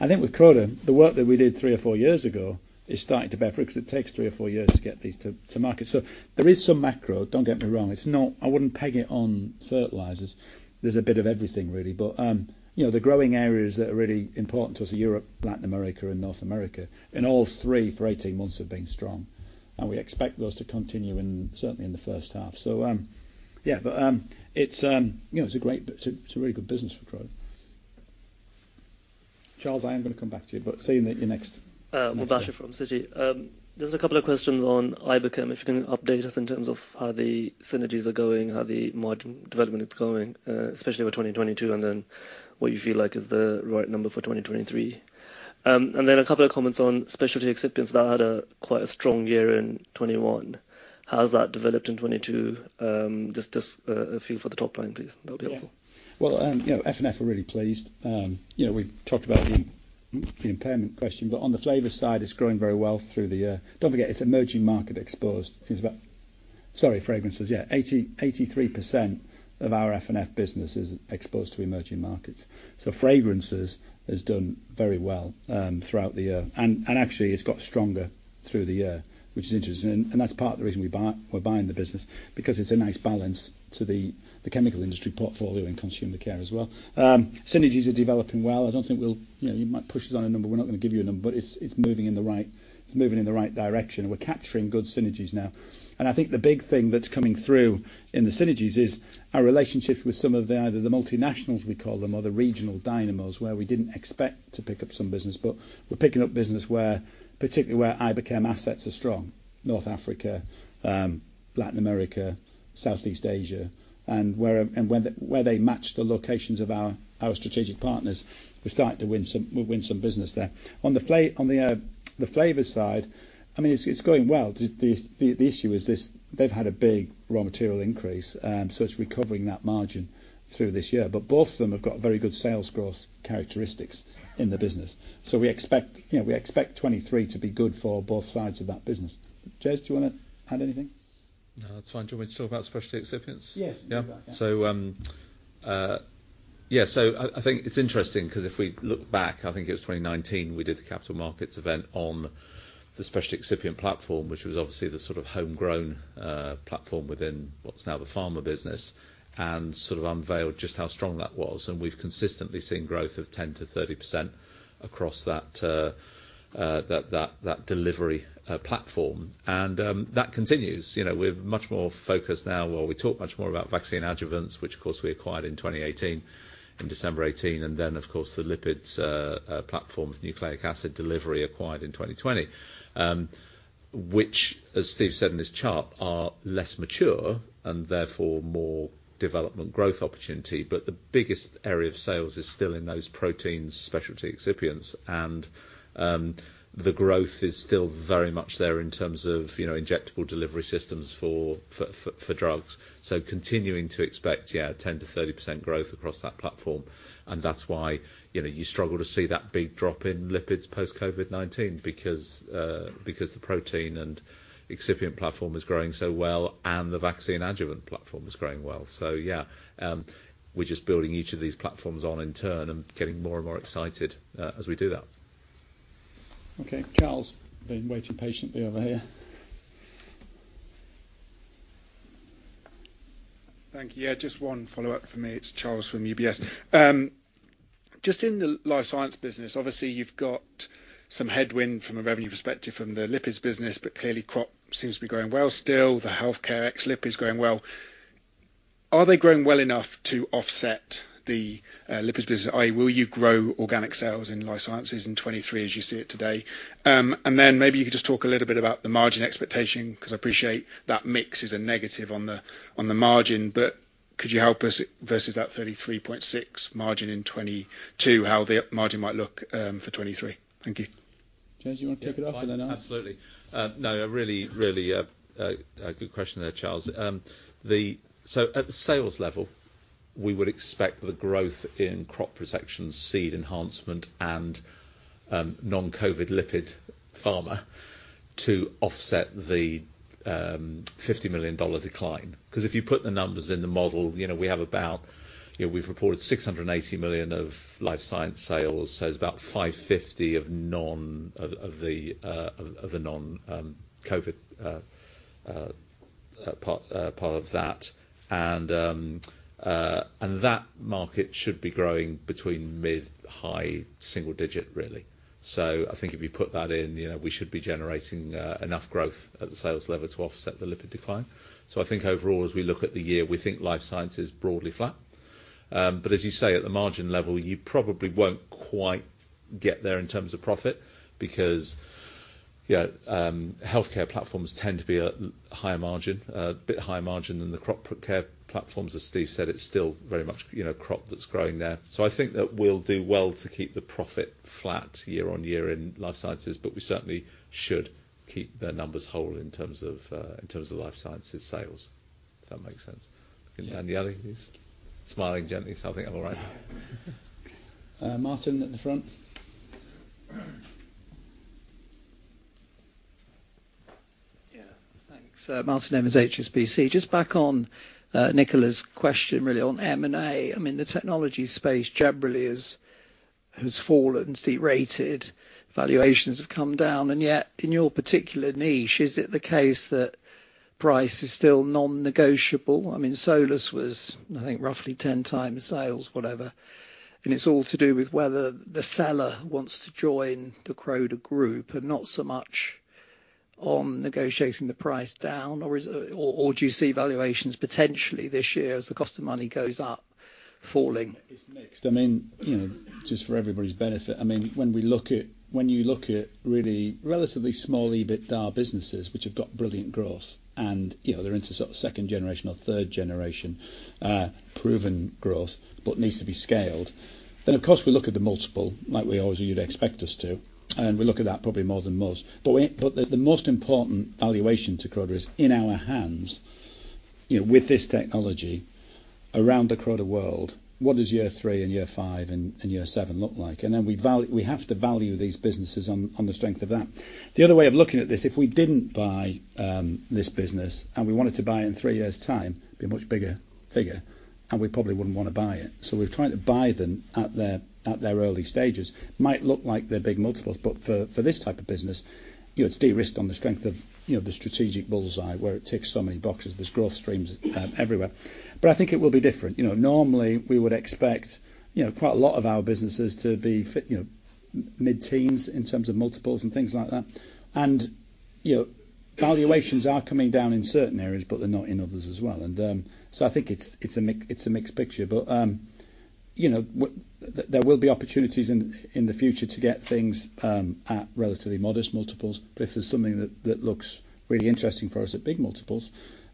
I think with Croda, the work that we did three or four years ago is starting to bear fruit, 'cause it takes three or four years to get these to market. There is some macro. Don't get me wrong. It's not. I wouldn't peg it on fertilizers. There's a bit of everything really. You know, the growing areas that are really important to us are Europe, Latin America, and North America. All three for 18 months have been strong, and we expect those to continue certainly in the first half. Yeah. It's, you know, it's a really good business for growth. Charles, I am gonna come back to you, but seeing that you're next. Mubasher from Citi. Just a couple of questions on Iberchem. If you can update us in terms of how the synergies are going, how the margin development is going, especially with 2022, then what you feel like is the right number for 2023. Then a couple of comments on specialty excipients that had a quite a strong year in 2021. How has that developed in 2022, just a feel for the top line, please. That'd be helpful. Yeah. Well, you know, F&F are really pleased. You know, we've talked about the impairment question, on the flavor side, it's growing very well through the year. Don't forget it's emerging market exposed. Sorry, fragrances. Yeah. 83% of our F&F business is exposed to emerging markets. Fragrances has done very well throughout the year. Actually it's got stronger through the year, which is interesting and that's part of the reason we're buying the business because it's a nice balance to the chemical industry portfolio in Consumer Care as well. Synergies are developing well. I don't think we'll, you know, you might push us on a number, we're not gonna give you a number, it's moving in the right direction. We're capturing good synergies now. I think the big thing that's coming through in the synergies is our relationships with some of the, either the multinationals we call them or the regional dynamos where we didn't expect to pick up some business, but we're picking up business where, particularly where Iberchem assets are strong, North Africa, Latin America, Southeast Asia, and where they match the locations of our strategic partners. We're starting to win some, we'll win some business there. On the flavor side, I mean, it's going well. The issue is this, they've had a big raw material increase, so it's recovering that margin through this year. Both of them have got very good sales growth characteristics in the business. We expect, you know, we expect 2023 to be good for both sides of that business. Jez, do you wanna add anything? No, that's fine. Do you want me to talk about specialty excipients? Yeah. Yeah. Go for it, yeah. I think it's interesting 'cause if we look back, I think it was 2019, we did the capital markets event on the specialty excipient platform, which was obviously the sort of homegrown platform within what's now the pharma business, and sort of unveiled just how strong that was. We've consistently seen growth of 10%-30% across that delivery platform. That continues. You know, we're much more focused now, while we talk much more about vaccine adjuvants, which of course we acquired in 2018, in December 2018, and then of course the lipids platform for nucleic acid delivery acquired in 2020. Which as Steve said in his chart, are less mature and therefore more development growth opportunity. The biggest area of sales is still in those proteins, specialty excipients and, the growth is still very much there in terms of, you know, injectable delivery systems for drugs. Continuing to expect, yeah, 10%-30% growth across that platform. That's why, you know, you struggle to see that big drop in lipids post COVID-19 because the protein and excipient platform is growing so well and the vaccine adjuvant platform is growing well. Yeah, we're just building each of these platforms on in turn and getting more and more excited as we do that. Okay. Charles, been waiting patiently over here. Thank you. Just one follow-up from me. It's Charles from UBS. Just in the Life Sciences business, obviously you've got some headwind from a revenue perspective from the lipids business, but clearly crop seems to be growing well still, the healthcare ex lipids growing well. Are they growing well enough to offset the lipids business? i.e., will you grow organic sales in Life Sciences in 2023 as you see it today? Then maybe you could just talk a little bit about the margin expectation, 'cause I appreciate that mix is a negative on the margin. Could you help us versus that 33.6% margin in 2022, how the margin might look for 2023? Thank you. Jez, you wanna kick it off? Yeah, absolutely. And then. No, a really, really good question there, Charles. At the sales level, we would expect the growth in Crop Protection, Seed Enhancement and non-COVID lipid pharma to offset the $50 million decline. 'Cause if you put the numbers in the model, you know, we have about, you know, we've reported $680 million of Life Sciences sales, so it's about $550 of non, of the non-COVID part of that. That market should be growing between mid-high single digit, really. I think if you put that in, you know, we should be generating enough growth at the sales level to offset the lipid decline. I think overall, as we look at the year, we think Life Sciences is broadly flat. As you say, at the margin level, you probably won't quite get there in terms of profit because, you know, healthcare platforms tend to be a higher margin, a bit higher margin than the crop care platforms. As Steve said, it's still very much, you know, crop that's growing there. I think that we'll do well to keep the profit flat year-over-year in Life Sciences, but we certainly should keep the numbers whole in terms of Life Sciences sales. If that makes sense. Looking down the other, he's smiling gently, so I think I'm all right. Martin at the front. Thanks. Martin Evans, HSBC. Just back on Nicola's question really on M&A. I mean, the technology space generally has fallen, derated, valuations have come down, and yet in your particular niche, is it the case that price is still non-negotiable? I mean, Solus was, I think, roughly 10 times sales, whatever, and it's all to do with whether the seller wants to join the Croda group and not so much on negotiating the price down, or is it, or do you see valuations potentially this year as the cost of money goes up, falling? It's mixed. I mean, you know, just for everybody's benefit, I mean, when you look at really relatively small EBITDA businesses which have got brilliant growth and, you know, they're into sort of second generation or third generation, proven growth, but needs to be scaled, then of course we look at the multiple like we always, you'd expect us to, and we look at that probably more than most. The most important valuation to Croda is in our hands, you know, with this technology around the Croda world, what does year three and year five and year seven look like? We have to value these businesses on the strength of that. The other way of looking at this, if we didn't buy, this business and we wanted to buy in three years' time, it'd be a much bigger figure, and we probably wouldn't wanna buy it. We're trying to buy them at their early stages. Might look like they're big multiples, but for this type of business, you know, it's de-risked on the strength of, you know, the strategic bullseye where it ticks so many boxes. There's growth streams, everywhere. I think it will be different. You know, normally we would expect, you know, quite a lot of our businesses to be fit, you know, mid-teens in terms of multiples and things like that. You know, valuations are coming down in certain areas, but they're not in others as well, so I think it's a mixed picture. You know, there will be opportunities in the future to get things at relatively modest multiples. If there's something that looks really interesting for us at big multiples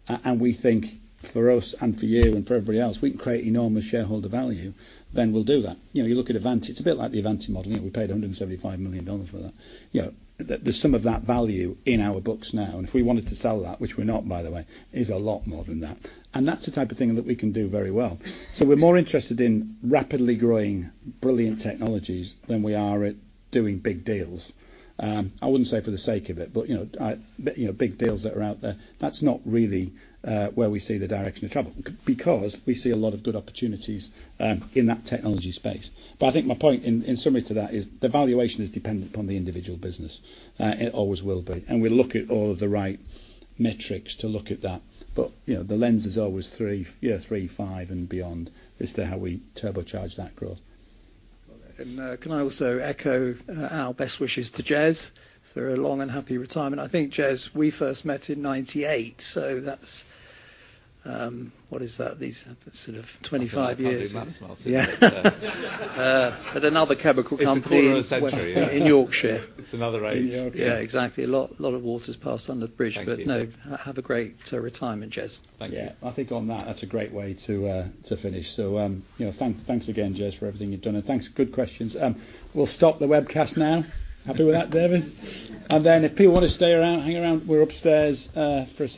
and we think for us and for you and for everybody else, we can create enormous shareholder value, then we'll do that. You know, you look at Avanti, it's a bit like the Avanti model. You know, we paid $175 million for that. You know, the, there's some of that value in our books now, and if we wanted to sell that, which we're not by the way, is a lot more than that, and that's the type of thing that we can do very well. We're more interested in rapidly growing brilliant technologies than we are at doing big deals. I wouldn't say for the sake of it, but, you know, but you know, big deals that are out there, that's not really where we see the direction of travel because we see a lot of good opportunities in that technology space. I think my point in summary to that is the valuation is dependent upon the individual business, it always will be, and we look at all of the right metrics to look at that. You know, the lens is always three, year three, five, and beyond as to how we turbocharge that growth. Well, can I also echo our best wishes to Jez for a long and happy retirement. I think, Jez, we first met in 1998, so that's... what is that? These, sort of 25 years. I can't do math, Martin. Yeah. at another chemical company... It's a quarter of a century. In Yorkshire. It's another age. In Yorkshire. Yeah, exactly. A lot of water's passed under the bridge. Thank you. No, have a great retirement, Jez. Thank you. Yeah. I think on that's a great way to finish. You know, thanks again, Jez, for everything you've done. Thanks, good questions. We'll stop the webcast now. Happy with that, David? Yeah. If people wanna stay around, hang around, we're upstairs for a second.